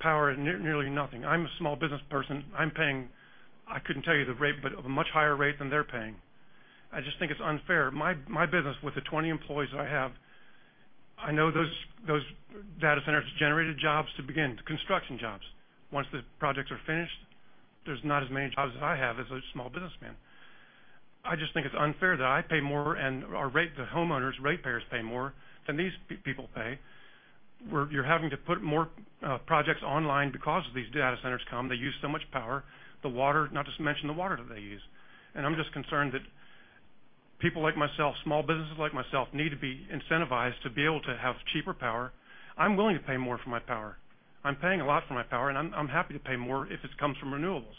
power at nearly nothing. I'm a small business person. I'm paying, I couldn't tell you the rate, but a much higher rate than they're paying. I just think it's unfair. My business with the 20 employees I have, I know those data centers generated jobs to begin, construction jobs. Once the projects are finished, there's not as many jobs as I have as a small businessman. I just think it's unfair that I pay more and the homeowners, ratepayers pay more than these people pay, where you're having to put more projects online because these data centers come, they use so much power, not to mention the water that they use. I'm just concerned that people like myself, small businesses like myself, need to be incentivized to be able to have cheaper power. I'm willing to pay more for my power. I'm paying a lot for my power, and I'm happy to pay more if it comes from renewables.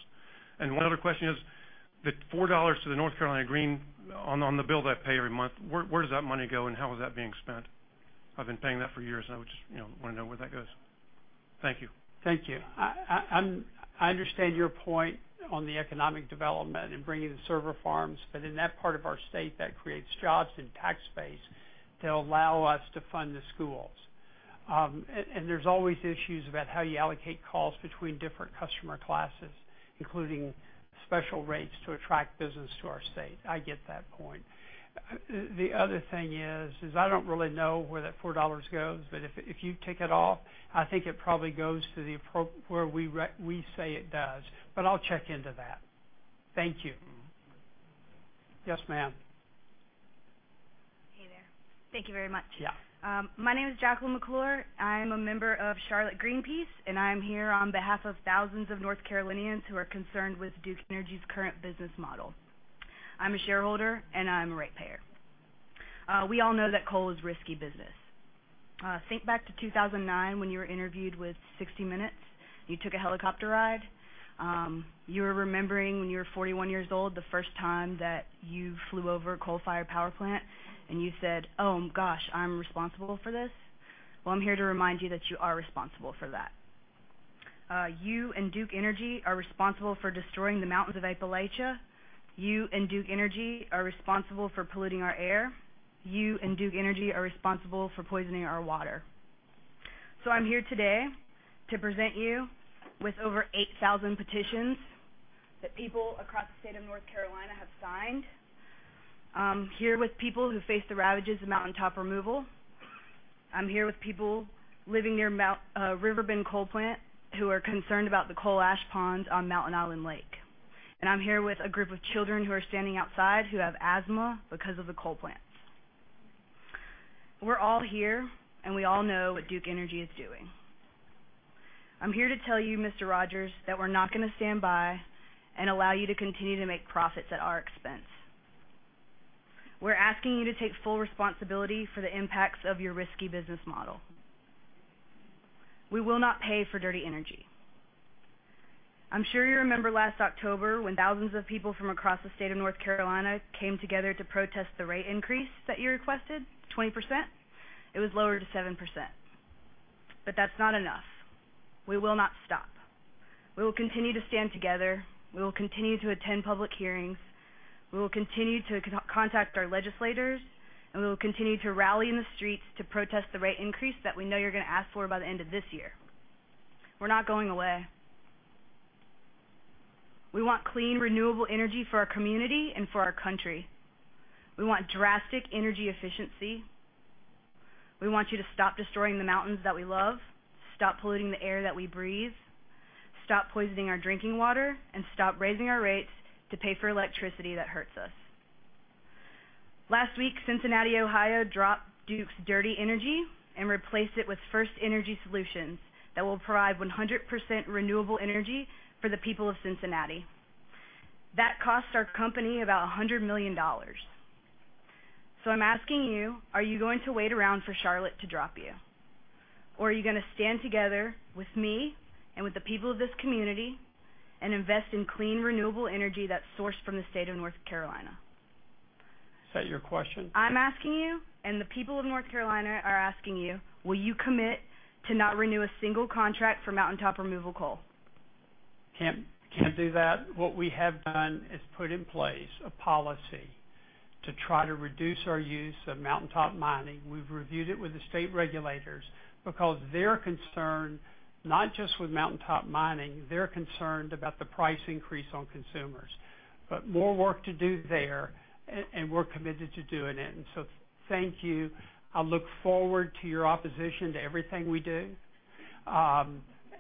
One other question is, the $4 to the North Carolina green on the bill that I pay every month, where does that money go and how is that being spent? I've been paying that for years, and I just want to know where that goes. Thank you. Thank you. I understand your point on the economic development and bringing the server farms, in that part of our state, that creates jobs and tax base that allow us to fund the schools. There's always issues about how you allocate costs between different customer classes, including special rates to attract business to our state. I get that point. The other thing is I don't really know where that $4 goes, if you take it off, I think it probably goes to where we say it does, I'll check into that. Thank you. Yes, ma'am. Hey there. Thank you very much. Yeah. My name is Jacqueline McClure. I'm a member of Charlotte Greenpeace, I'm here on behalf of thousands of North Carolinians who are concerned with Duke Energy's current business model. I'm a shareholder, I'm a ratepayer. We all know that coal is risky business. Think back to 2009 when you were interviewed with "60 Minutes" and you took a helicopter ride. You were remembering when you were 41 years old, the first time that you flew over a coal-fired power plant, and you said, "Oh, gosh, I'm responsible for this?" Well, I'm here to remind you that you are responsible for that. You and Duke Energy are responsible for destroying the mountains of Appalachia. You and Duke Energy are responsible for polluting our air. You and Duke Energy are responsible for poisoning our water. I'm here today to present you with over 8,000 petitions that people across the state of North Carolina have signed. I'm here with people who face the ravages of mountaintop removal. I'm here with people living near Riverbend Coal Plant who are concerned about the coal ash ponds on Mountain Island Lake. I'm here with a group of children who are standing outside who have asthma because of the coal plants. We're all here, and we all know what Duke Energy is doing. I'm here to tell you, Mr. Rogers, that we're not going to stand by and allow you to continue to make profits at our expense. We're asking you to take full responsibility for the impacts of your risky business model. We will not pay for dirty energy. I'm sure you remember last October when thousands of people from across the state of North Carolina came together to protest the rate increase that you requested, 20%. It was lowered to 7%, that's not enough. We will not stop. We will continue to stand together. We will continue to attend public hearings. We will continue to contact our legislators, we will continue to rally in the streets to protest the rate increase that we know you're going to ask for by the end of this year. We're not going away. We want clean, renewable energy for our community and for our country. We want drastic energy efficiency. We want you to stop destroying the mountains that we love, stop polluting the air that we breathe, stop poisoning our drinking water, and stop raising our rates to pay for electricity that hurts us. Last week, Cincinnati, Ohio, dropped Duke's dirty energy and replaced it with FirstEnergy Solutions that will provide 100% renewable energy for the people of Cincinnati. That cost our company about $100 million. I'm asking you, are you going to wait around for Charlotte to drop you? Are you going to stand together with me and with the people of this community and invest in clean, renewable energy that's sourced from the state of North Carolina? Is that your question? I'm asking you, and the people of North Carolina are asking you, will you commit to not renew a single contract for mountaintop removal coal? Can't do that. What we have done is put in place a policy to try to reduce our use of mountaintop mining. We've reviewed it with the state regulators because they're concerned not just with mountaintop mining, they're concerned about the price increase on consumers. More work to do there, and we're committed to doing it. Thank you. I look forward to your opposition to everything we do.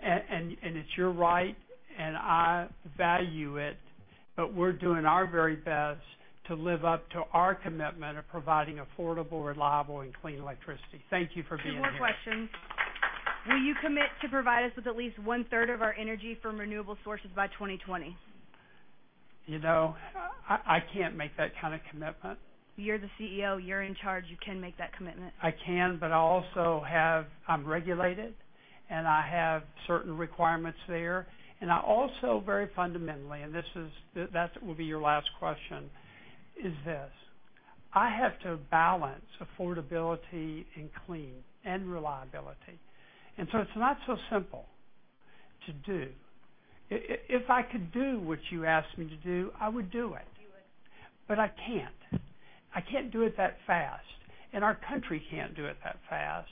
It's your right, and I value it, we're doing our very best to live up to our commitment of providing affordable, reliable, and clean electricity. Thank you for being here. Two more questions. Will you commit to provide us with at least one-third of our energy from renewable sources by 2020? I can't make that kind of commitment. You're the CEO. You're in charge. You can make that commitment. I can, but I'm regulated, and I have certain requirements there. I also very fundamentally, and that will be your last question, is this. I have to balance affordability and clean and reliability. It's not so simple to do. If I could do what you asked me to do, I would do it. You would. I can't. I can't do it that fast, and our country can't do it that fast.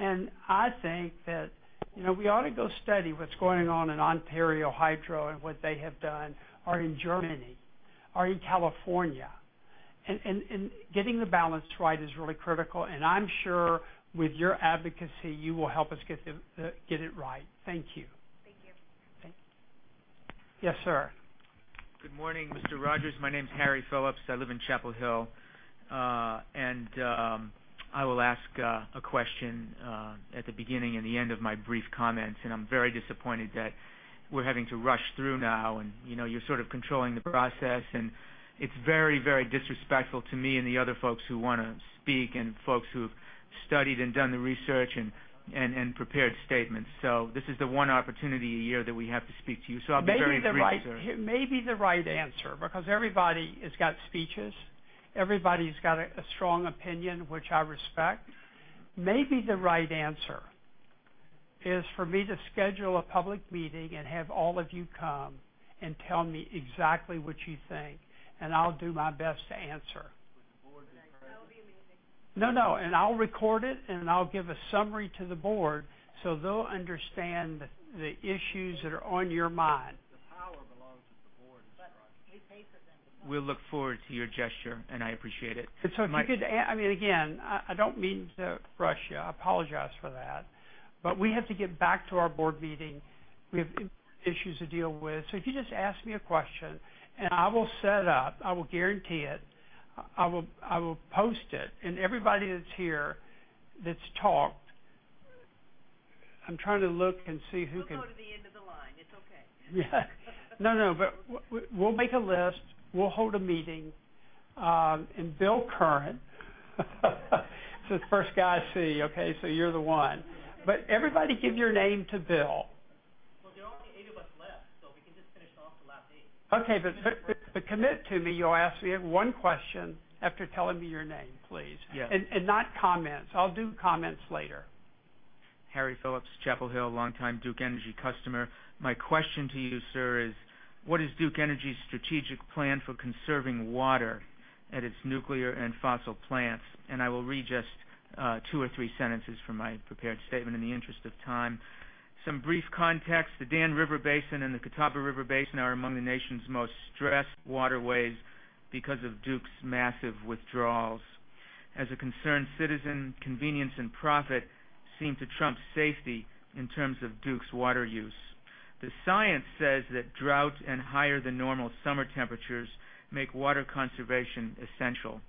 I think that we ought to go study what's going on in Ontario Hydro and what they have done, or in Germany, or in California. Getting the balance right is really critical, and I'm sure with your advocacy, you will help us get it right. Thank you. Thank you. Yes, sir. Good morning, Mr. Rogers. My name's Harry Phillips. I live in Chapel Hill. I will ask a question at the beginning and the end of my brief comments, and I'm very disappointed that we're having to rush through now, and you're sort of controlling the process, and it's very, very disrespectful to me and the other folks who want to speak and folks who've studied and done the research and prepared statements. This is the one opportunity a year that we have to speak to you, so I'll be very brief, sir. Maybe the right answer, because everybody has got speeches. Everybody's got a strong opinion, which I respect. Maybe the right answer is for me to schedule a public meeting and have all of you come and tell me exactly what you think, and I'll do my best to answer. With the board in presence? That would be amazing. No, no. I'll record it. I'll give a summary to the board. They'll understand the issues that are on your mind. The power belongs to the board, Mr. Rogers. We pay for them to come. We look forward to your gesture. I appreciate it. If you could, again, I don't mean to rush you. I apologize for that. We have to get back to our board meeting. We have issues to deal with. If you just ask me a question, I will set up, I will guarantee it, I will post it, and everybody that's here that's talked, I'm trying to look and see who can- We'll go to the end of the line. It's okay. We'll make a list. We'll hold a meeting. Bill Currens is the first guy I see, okay, you're the one. Everybody give your name to Bill. There are only eight of us left, we can just finish off the last eight. Okay, commit to me you'll ask me one question after telling me your name, please. Yeah. Not comments. I'll do comments later. Harry Phillips, Chapel Hill, longtime Duke Energy customer. My question to you, sir, is what is Duke Energy's strategic plan for conserving water at its nuclear and fossil plants? I will read just two or three sentences from my prepared statement in the interest of time. Some brief context. The Dan River Basin and the Catawba River Basin are among the nation's most stressed waterways because of Duke's massive withdrawals. As a concerned citizen, convenience and profit seem to trump safety in terms of Duke's water use. The science says that droughts and higher than normal summer temperatures make water conservation essential.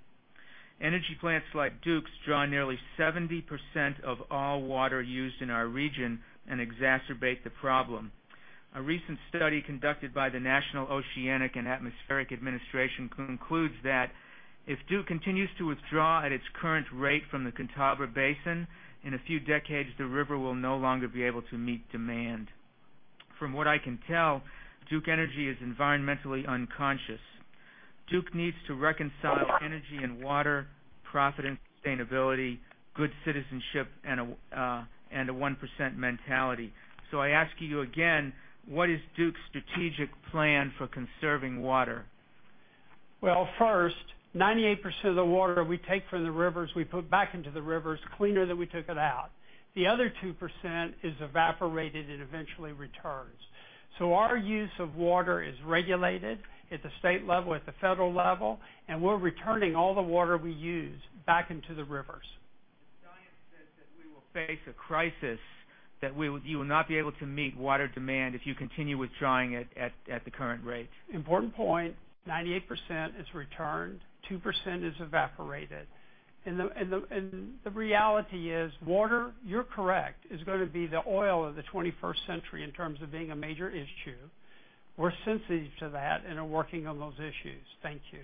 Energy plants like Duke's draw nearly 70% of all water used in our region and exacerbate the problem. A recent study conducted by the National Oceanic and Atmospheric Administration concludes that if Duke continues to withdraw at its current rate from the Catawba Basin, in a few decades, the river will no longer be able to meet demand. From what I can tell, Duke Energy is environmentally unconscious. Duke needs to reconcile energy and water, profit and sustainability, good citizenship, and a 1% mentality. I ask you again, what is Duke's strategic plan for conserving water? Well, first, 98% of the water we take from the rivers, we put back into the rivers cleaner than we took it out. The other 2% is evaporated and eventually returns. Our use of water is regulated at the state level, at the federal level, and we're returning all the water we use back into the rivers. The science says that we will face a crisis, that you will not be able to meet water demand if you continue withdrawing it at the current rate. Important point, 98% is returned, 2% is evaporated. The reality is water, you're correct, is going to be the oil of the 21st century in terms of being a major issue. We're sensitive to that and are working on those issues. Thank you.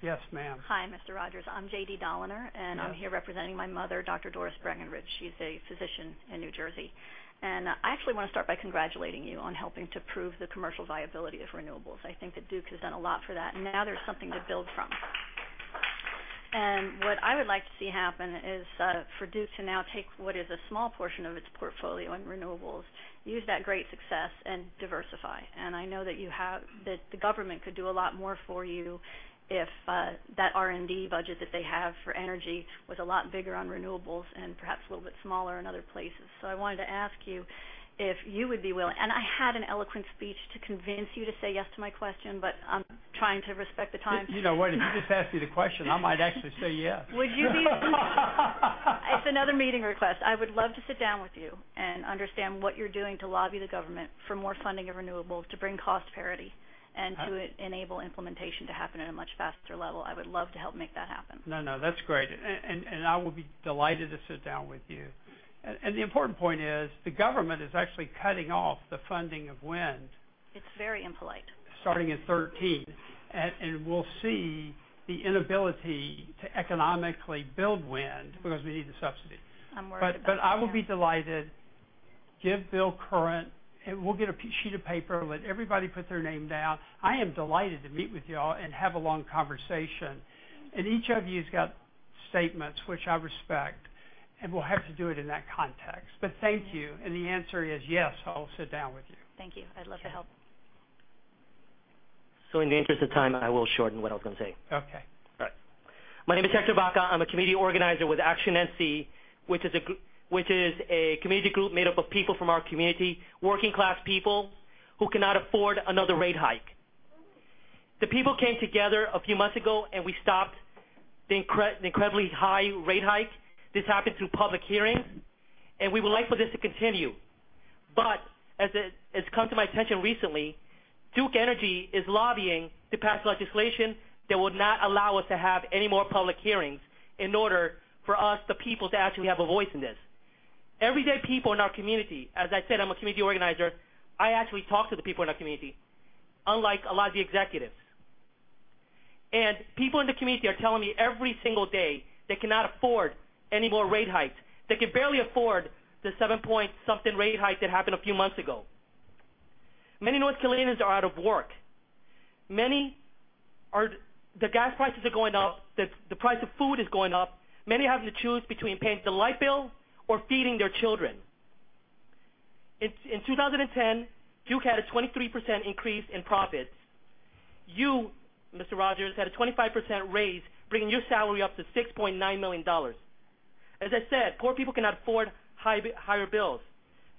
Yes, ma'am. Hi, Mr. Rogers. I'm J.D. Doliner. Yes. I'm here representing my mother, Dr. Doris Breckenridge. She's a physician in New Jersey. I actually want to start by congratulating you on helping to prove the commercial viability of renewables. I think that Duke has done a lot for that, and now there's something to build from. What I would like to see happen is for Duke to now take what is a small portion of its portfolio in renewables, use that great success, and diversify. I know that the government could do a lot more for you if that R&D budget that they have for energy was a lot bigger on renewables and perhaps a little bit smaller in other places. I wanted to ask you if you would be willing, I had an eloquent speech to convince you to say yes to my question, but I'm trying to respect the time. You know what? If you just ask me the question, I might actually say yes. It's another meeting request. I would love to sit down with you and understand what you're doing to lobby the government for more funding of renewables to bring cost parity and to enable implementation to happen at a much faster level. I would love to help make that happen. That's great. I will be delighted to sit down with you. The important point is the government is actually cutting off the funding of wind- It's very impolite Starting in 2013. We'll see the inability to economically build wind because we need the subsidy. I'm worried about that. I will be delighted. Give. We'll get a sheet of paper, let everybody put their name down. I am delighted to meet with you all and have a long conversation. Each of you has got statements which I respect, and we'll have to do it in that context. Thank you. The answer is yes, I'll sit down with you. Thank you. I'd love to help. Yeah. In the interest of time, I will shorten what I was going to say. Okay. All right. My name is Hector Baca. I'm a community organizer with Action NC, which is a community group made up of people from our community, working-class people who cannot afford another rate hike. The people came together a few months ago, we stopped the incredibly high rate hike. This happened through public hearings, we would like for this to continue. As it has come to my attention recently, Duke Energy is lobbying to pass legislation that would not allow us to have any more public hearings in order for us, the people, to actually have a voice in this. Everyday people in our community, as I said, I'm a community organizer. I actually talk to the people in our community, unlike a lot of the executives. People in the community are telling me every single day they cannot afford any more rate hikes. They can barely afford the seven-point-something rate hike that happened a few months ago. Many North Carolinians are out of work. The gas prices are going up. The price of food is going up. Many are having to choose between paying the light bill or feeding their children. In 2010, Duke had a 23% increase in profits. You, Mr. Rogers, had a 25% raise, bringing your salary up to $6.9 million. As I said, poor people cannot afford higher bills.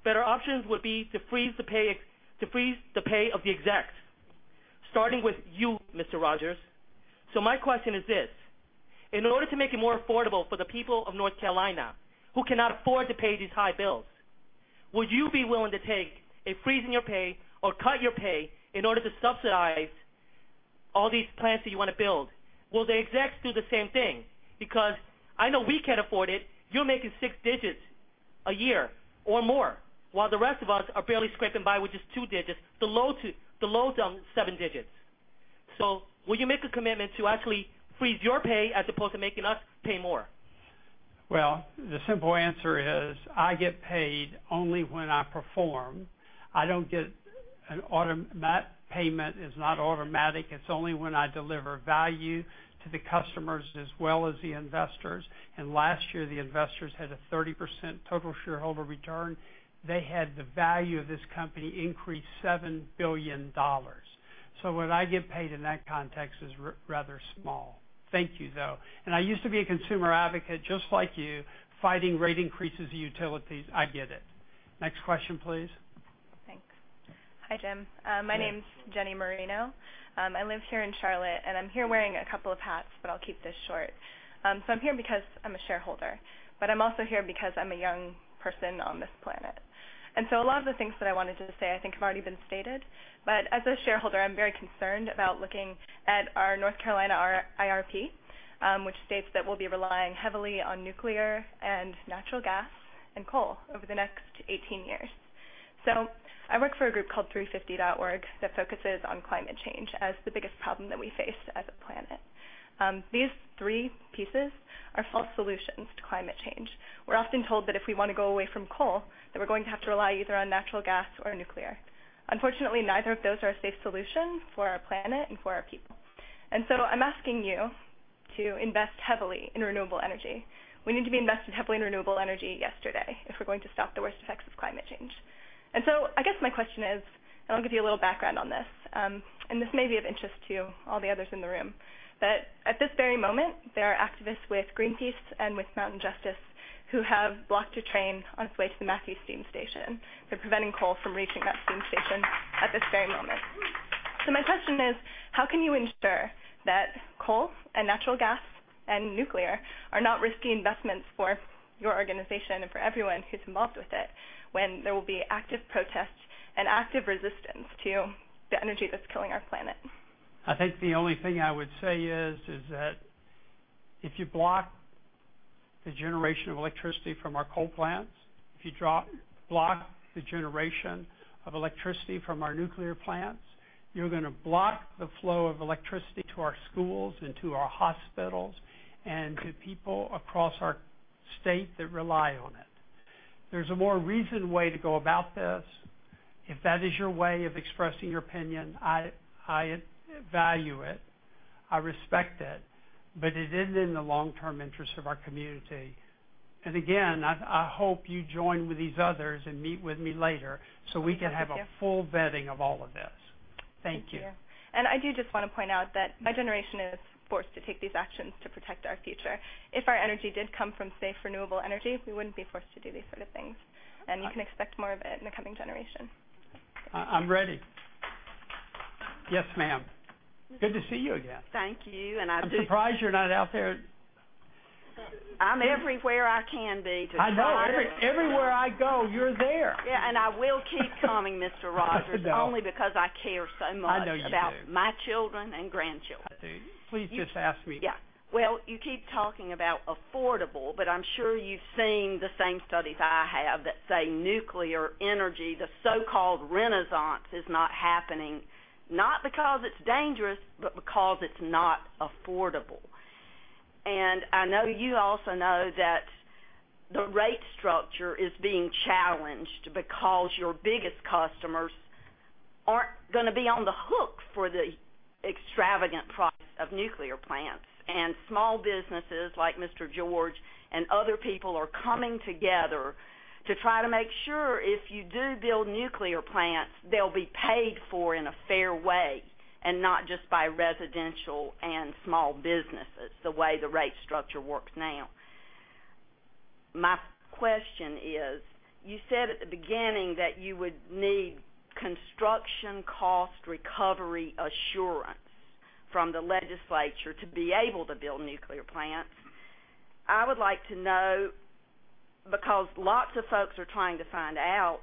Better options would be to freeze the pay of the execs, starting with you, Mr. Rogers. My question is this. In order to make it more affordable for the people of North Carolina who cannot afford to pay these high bills, would you be willing to take a freeze in your pay or cut your pay in order to subsidize all these plants that you want to build? Will the execs do the same thing? Because I know we can't afford it. You're making six digits a year or more, while the rest of us are barely scraping by with just two digits, the lows on seven digits. Would you make a commitment to actually freeze your pay as opposed to making us pay more? Well, the simple answer is I get paid only when I perform. Payment is not automatic. It's only when I deliver value to the customers as well as the investors. Last year, the investors had a 30% total shareholder return. They had the value of this company increase $7 billion. What I get paid in that context is rather small. Thank you, though. I used to be a consumer advocate just like you, fighting rate increases of utilities. I get it. Next question, please. Thanks. Hi, Jim. Hey. My name's Jenny Merino. I live here in Charlotte, and I'm here wearing a couple of hats, but I'll keep this short. I'm here because I'm a shareholder, but I'm also here because I'm a young person on this planet. A lot of the things that I wanted to say I think have already been stated. As a shareholder, I'm very concerned about looking at our North Carolina IRP, which states that we'll be relying heavily on nuclear and natural gas and coal over the next 18 years. I work for a group called 350.org that focuses on climate change as the biggest problem that we face as a planet. These three pieces are false solutions to climate change. We're often told that if we want to go away from coal, that we're going to have to rely either on natural gas or nuclear. Unfortunately, neither of those are a safe solution for our planet and for our people. I'm asking you to invest heavily in renewable energy. We need to be invested heavily in renewable energy yesterday if we're going to stop the worst effects of climate change. I guess my question is, and I'll give you a little background on this, and this may be of interest to all the others in the room, but at this very moment, there are activists with Greenpeace and with Mountain Justice who have blocked a train on its way to the Marshall Steam Station. They're preventing coal from reaching that steam station at this very moment. My question is, how can you ensure that coal and natural gas and nuclear are not risky investments for your organization and for everyone who's involved with it when there will be active protests and active resistance to the energy that's killing our planet? I think the only thing I would say is that if you block the generation of electricity from our coal plants, if you block the generation of electricity from our nuclear plants, you're going to block the flow of electricity to our schools and to our hospitals and to people across our state that rely on it. There's a more reasoned way to go about this. If that is your way of expressing your opinion, I value it. I respect it, but it isn't in the long-term interest of our community. Again, I hope you join with these others and meet with me later. Thank you We can have a full vetting of all of this. Thank you. Thank you. I do just want to point out that my generation is forced to take these actions to protect our future. If our energy did come from safe, renewable energy, we wouldn't be forced to do these sort of things. You can expect more of it in the coming generation. I'm ready. Yes, ma'am. Good to see you again. Thank you. I'm surprised you're not out there. I'm everywhere I can be to try to- I know. Everywhere I go, you're there. Yeah, I will keep coming, Mr. Rogers. Only because I care so much- I know you do about my children and grandchildren. I do. Please just ask me. Yeah. Well, you keep talking about affordable, but I'm sure you've seen the same studies I have that say nuclear energy, the so-called renaissance, is not happening, not because it's dangerous, but because it's not affordable. I know you also know that the rate structure is being challenged because your biggest customers aren't going to be on the hook for the extravagant price of nuclear plants. Small businesses like Mr. George and other people are coming together to try to make sure if you do build nuclear plants, they'll be paid for in a fair way and not just by residential and small businesses, the way the rate structure works now. My question is, you said at the beginning that you would need construction cost recovery assurance from the legislature to be able to build nuclear plants. I would like to know, because lots of folks are trying to find out,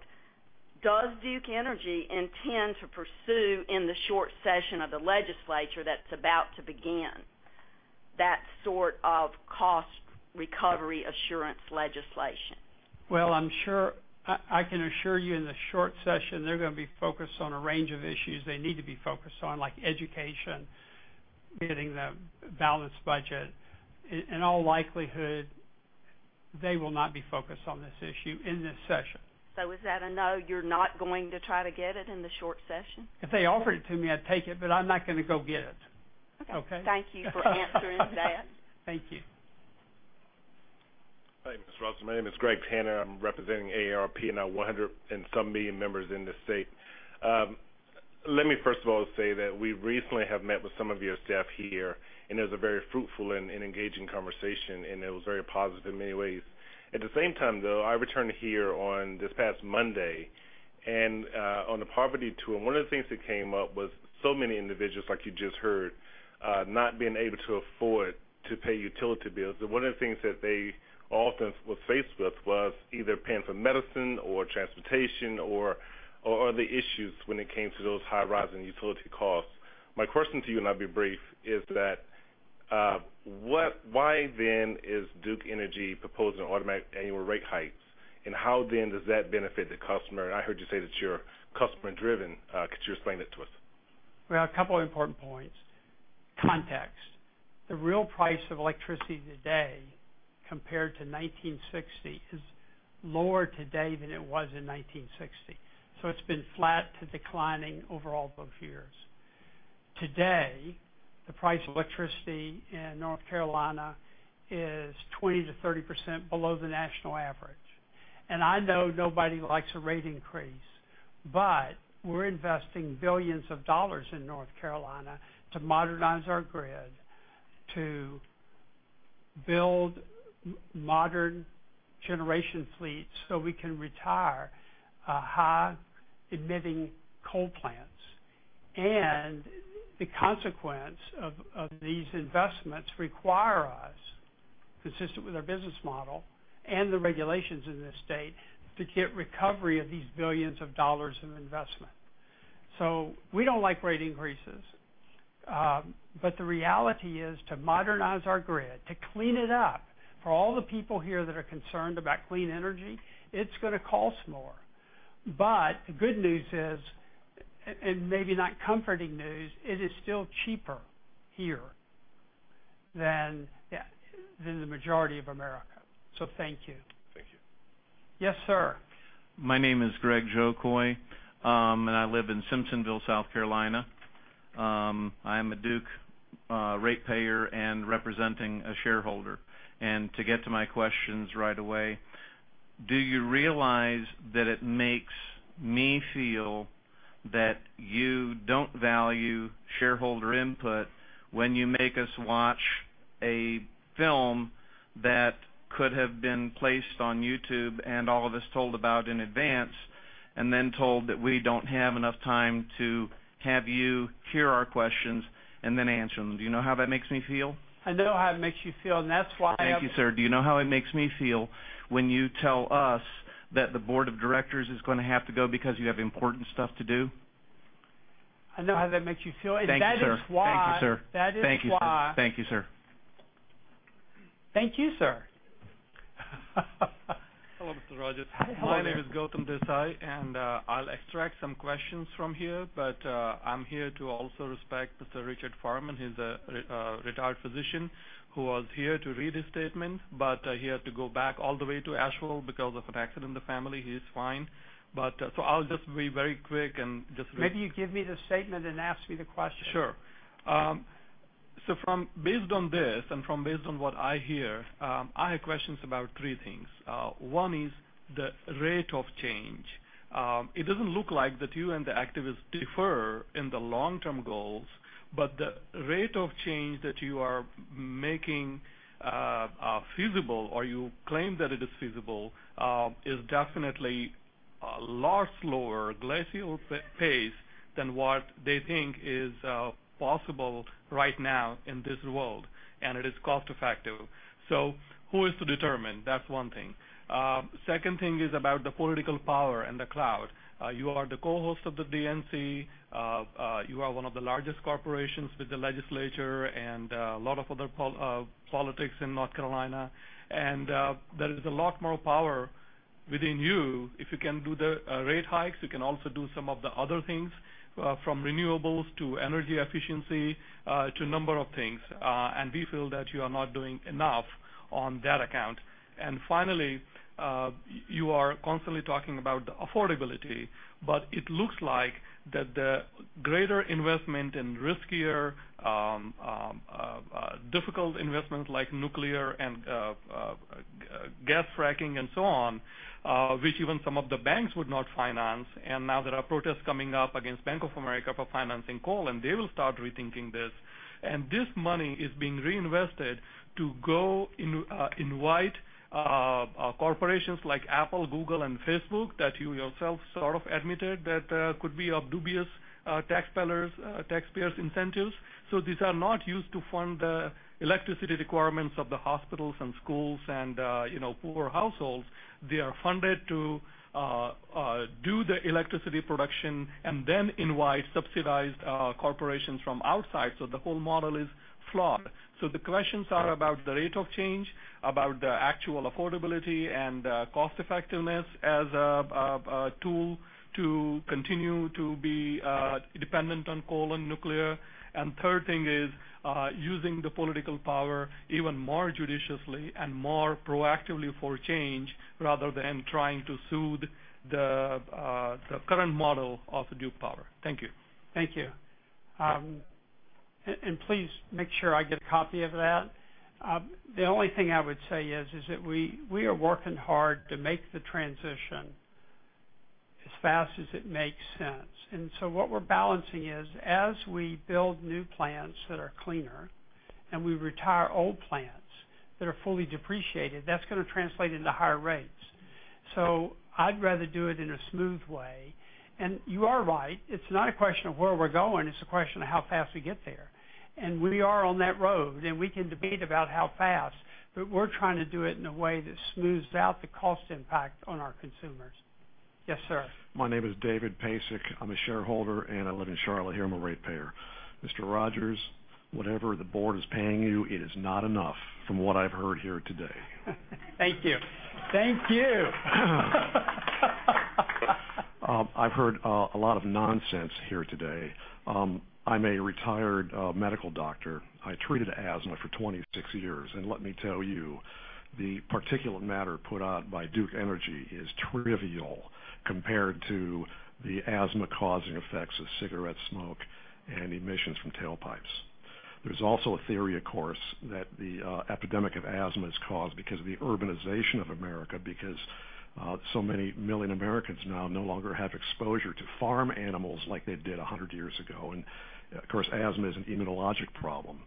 does Duke Energy intend to pursue in the short session of the legislature that's about to begin, that sort of cost recovery assurance legislation? Well, I can assure you in the short session, they're going to be focused on a range of issues they need to be focused on, like education, getting the balanced budget. In all likelihood, they will not be focused on this issue in this session. Is that a no, you're not going to try to get it in the short session? If they offered it to me, I'd take it, but I'm not going to go get it. Okay. Okay? Thank you for answering that. Thank you. Hi, Mr. Rogers. My name is Greg Tanner. I'm representing AARP and our 100 and some million members in this state. Let me first of all say that we recently have met with some of your staff here, and it was a very fruitful and engaging conversation, and it was very positive in many ways. At the same time, though, I returned here on this past Monday, and on the poverty tour, one of the things that came up was so many individuals, like you just heard, not being able to afford to pay utility bills. One of the things that they often was faced with was either paying for medicine or transportation or other issues when it came to those high-rising utility costs. My question to you, and I'll be brief, is that why then is Duke Energy proposing automatic annual rate hikes? How then does that benefit the customer? I heard you say that you're customer-driven. Could you explain that to us? Well, a couple of important points. Context. The real price of electricity today compared to 1960 is lower today than it was in 1960. It's been flat to declining over all those years. Today, the price of electricity in North Carolina is 20%-30% below the national average. I know nobody likes a rate increase. We're investing $billions in North Carolina to modernize our grid, to build modern generation fleets so we can retire high-emitting coal plants. The consequence of these investments require us, consistent with our business model and the regulations in this state, to get recovery of these $billions of investment. We don't like rate increases. The reality is to modernize our grid, to clean it up for all the people here that are concerned about clean energy, it's going to cost more. The good news is, maybe not comforting news, it is still cheaper here than the majority of America. Thank you. Thank you. Yes, sir. My name is Greg Jocoy, and I live in Simpsonville, South Carolina. I am a Duke ratepayer and representing a shareholder. To get to my questions right away, do you realize that it makes me feel that you don't value shareholder input when you make us watch a film that could have been placed on YouTube and all of us told about in advance, and then told that we don't have enough time to have you hear our questions and then answer them? Do you know how that makes me feel? I know how it makes you feel, and that's why. Thank you, sir. Do you know how it makes me feel when you tell us that the board of directors is going to have to go because you have important stuff to do? I know how that makes you feel. That is why. Thank you, sir. That is why. Thank you, sir. Thank you, sir. Hello, Mr. Rogers. Hi. My name is Gautam Desai, I'll extract some questions from here. I'm here to also respect Mr. Richard Farman. He's a retired physician who was here to read his statement, he had to go back all the way to Asheville because of an accident in the family. He's fine. I'll just be very quick. Maybe you give me the statement and ask me the question. Sure. Based on this and based on what I hear, I have questions about three things. One is the rate of change. It doesn't look like that you and the activists differ in the long-term goals, the rate of change that you are making feasible, or you claim that it is feasible, is definitely a lot slower, glacial pace than what they think is possible right now in this world, and it is cost-effective. Who is to determine? That's one thing. Second thing is about the political power and the cloud. You are the co-host of the DNC. You are one of the largest corporations with the legislature and a lot of other politics in North Carolina. There is a lot more power within you. If you can do the rate hikes, you can also do some of the other things, from renewables to energy efficiency to a number of things. We feel that you are not doing enough on that account. Finally, you are constantly talking about affordability, but it looks like that the greater investment and riskier, difficult investment like nuclear and gas fracking and so on, which even some of the banks would not finance. Now there are protests coming up against Bank of America for financing coal, and they will start rethinking this. This money is being reinvested to go invite corporations like Apple, Google, and Facebook that you yourself sort of admitted that could be of dubious taxpayers' incentives. These are not used to fund the electricity requirements of the hospitals and schools and poorer households. They are funded to do the electricity production and then invite subsidized corporations from outside. The whole model is flawed. The questions are about the rate of change, about the actual affordability and cost effectiveness as a tool to continue to be dependent on coal and nuclear. Third thing is using the political power even more judiciously and more proactively for change rather than trying to soothe the current model of Duke Power. Thank you. Thank you. Please make sure I get a copy of that. The only thing I would say is that we are working hard to make the transition as fast as it makes sense. What we're balancing is as we build new plants that are cleaner and we retire old plants that are fully depreciated, that's going to translate into higher rates. I'd rather do it in a smooth way. You are right, it's not a question of where we're going, it's a question of how fast we get there. We are on that road, and we can debate about how fast, but we're trying to do it in a way that smooths out the cost impact on our consumers. Yes, sir. My name is David Pasik. I'm a shareholder, I live in Charlotte here. I'm a ratepayer. Mr. Rogers, whatever the board is paying you, it is not enough from what I've heard here today. Thank you. Thank you. I've heard a lot of nonsense here today. I'm a retired medical doctor. I treated asthma for 26 years, and let me tell you, the particulate matter put out by Duke Energy is trivial compared to the asthma-causing effects of cigarette smoke and emissions from tailpipes. There's also a theory, of course, that the epidemic of asthma is caused because of the urbanization of America, because so many million Americans now no longer have exposure to farm animals like they did 100 years ago. Of course, asthma is an immunologic problem.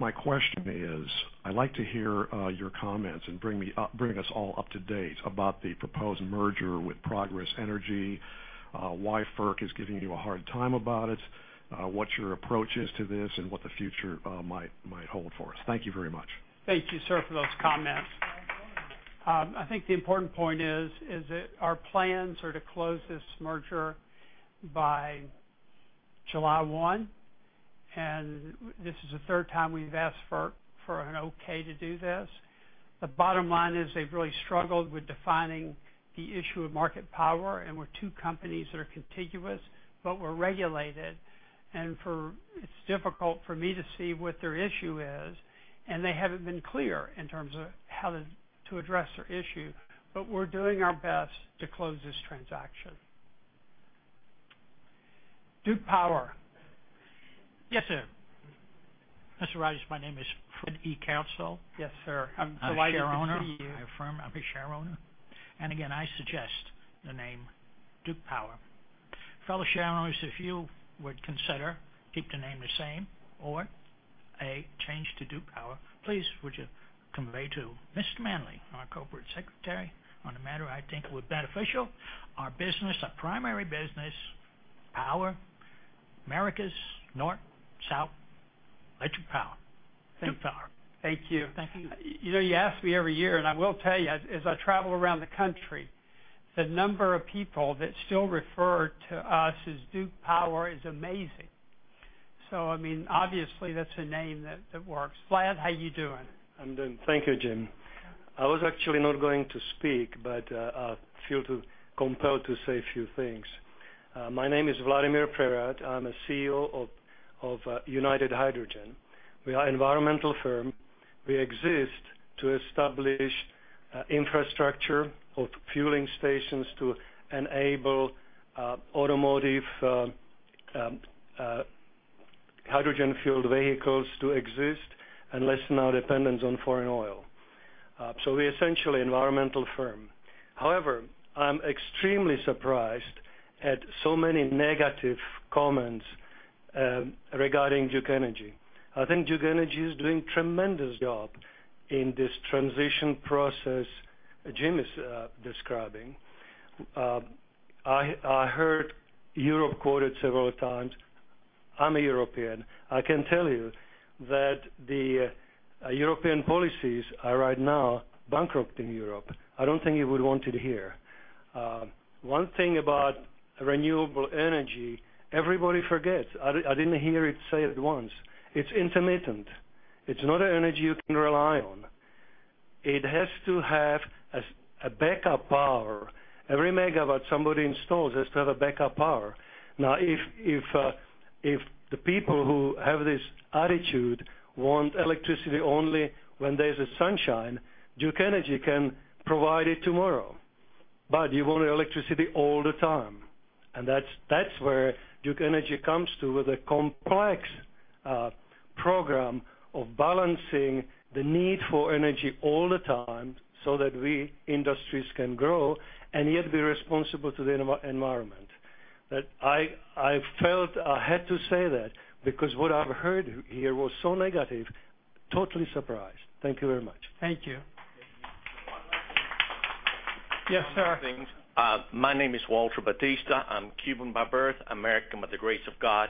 My question is, I'd like to hear your comments and bring us all up to date about the proposed merger with Progress Energy, why FERC is giving you a hard time about it, what your approach is to this, and what the future might hold for us. Thank you very much. Thank you, sir, for those comments. I think the important point is that our plans are to close this merger by July 1, this is the third time we've asked for an okay to do this. The bottom line is they've really struggled with defining the issue of market power, we're two companies that are contiguous, but we're regulated, it's difficult for me to see what their issue is, they haven't been clear in terms of how to address their issue. We're doing our best to close this transaction. Duke Power. Yes, sir. Mr. Rogers, my name is Fred E. Council. Yes, sir. Delighted to see you. I'm a shareowner. I affirm I'm a shareowner. Again, I suggest the name Duke Power. Fellow shareowners, if you would consider keep the name the same or a change to Duke Power, please would you convey to Mr. Manley, our corporate secretary, on the matter I think it would be beneficial. Our business, our primary business, power. America's north-south electric power. Duke Power. Thank you. Thank you. You ask me every year, I will tell you, as I travel around the country, the number of people that still refer to us as Duke Power is amazing. Obviously, that's a name that works. Vlad, how you doing? I'm doing. Thank you, Jim. I was actually not going to speak, I feel compelled to say a few things. My name is Vladimir Prerat. I'm a CEO of United Hydrogen. We are an environmental firm. We exist to establish infrastructure of fueling stations to enable automotive hydrogen-fueled vehicles to exist and lessen our dependence on foreign oil. We're essentially an environmental firm. However, I'm extremely surprised at so many negative comments regarding Duke Energy. I think Duke Energy is doing a tremendous job in this transition process Jim is describing. I heard Europe quoted several times. I'm a European. I can tell you that the European policies are right now bankrupting Europe. I don't think you would want it here. One thing about renewable energy, everybody forgets. I didn't hear it said once. It's intermittent. It's not an energy you can rely on. It has to have a backup power. Every megawatt somebody installs has to have a backup power. Now, if the people who have this attitude want electricity only when there's sunshine, Duke Energy can provide it tomorrow. You want electricity all the time, and that's where Duke Energy comes through with a complex program of balancing the need for energy all the time so that we, industries, can grow and yet be responsible to the environment. I felt I had to say that because what I've heard here was so negative. Totally surprised. Thank you very much. Thank you. Yes, sir. My name is Walter Batista. I'm Cuban by birth, American by the grace of God.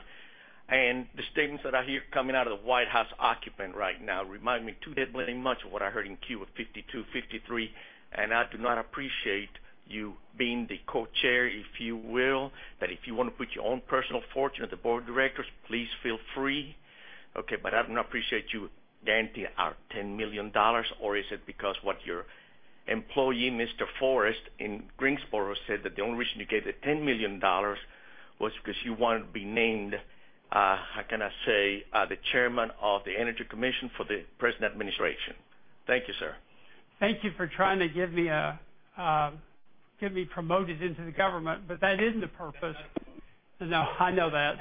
The statements that I hear coming out of the White House occupant right now remind me too dead bleeding much of what I heard in Cuba 1952, 1953, and I do not appreciate you being the co-chair, if you will, but if you want to put your own personal fortune on the board of directors, please feel free. Okay. I do not appreciate you granting our $10 million, or is it because what your employee, Mr. Forest in Greensboro, said that the only reason you gave the $10 million was because you wanted to be named, how can I say, the chairman of the Energy Commission for the present administration. Thank you, sir. Thank you for trying to get me promoted into the government, that isn't the purpose. No, I know that.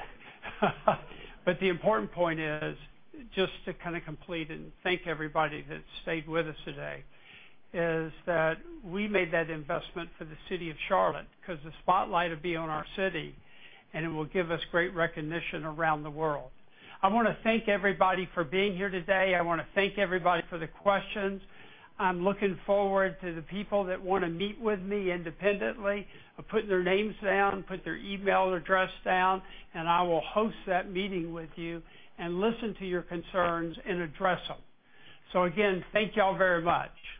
The important point is just to kind of complete and thank everybody that stayed with us today, is that we made that investment for the city of Charlotte because the spotlight will be on our city, and it will give us great recognition around the world. I want to thank everybody for being here today. I want to thank everybody for the questions. I'm looking forward to the people that want to meet with me independently. Put their names down, put their email address down, and I will host that meeting with you and listen to your concerns and address them. Again, thank you all very much.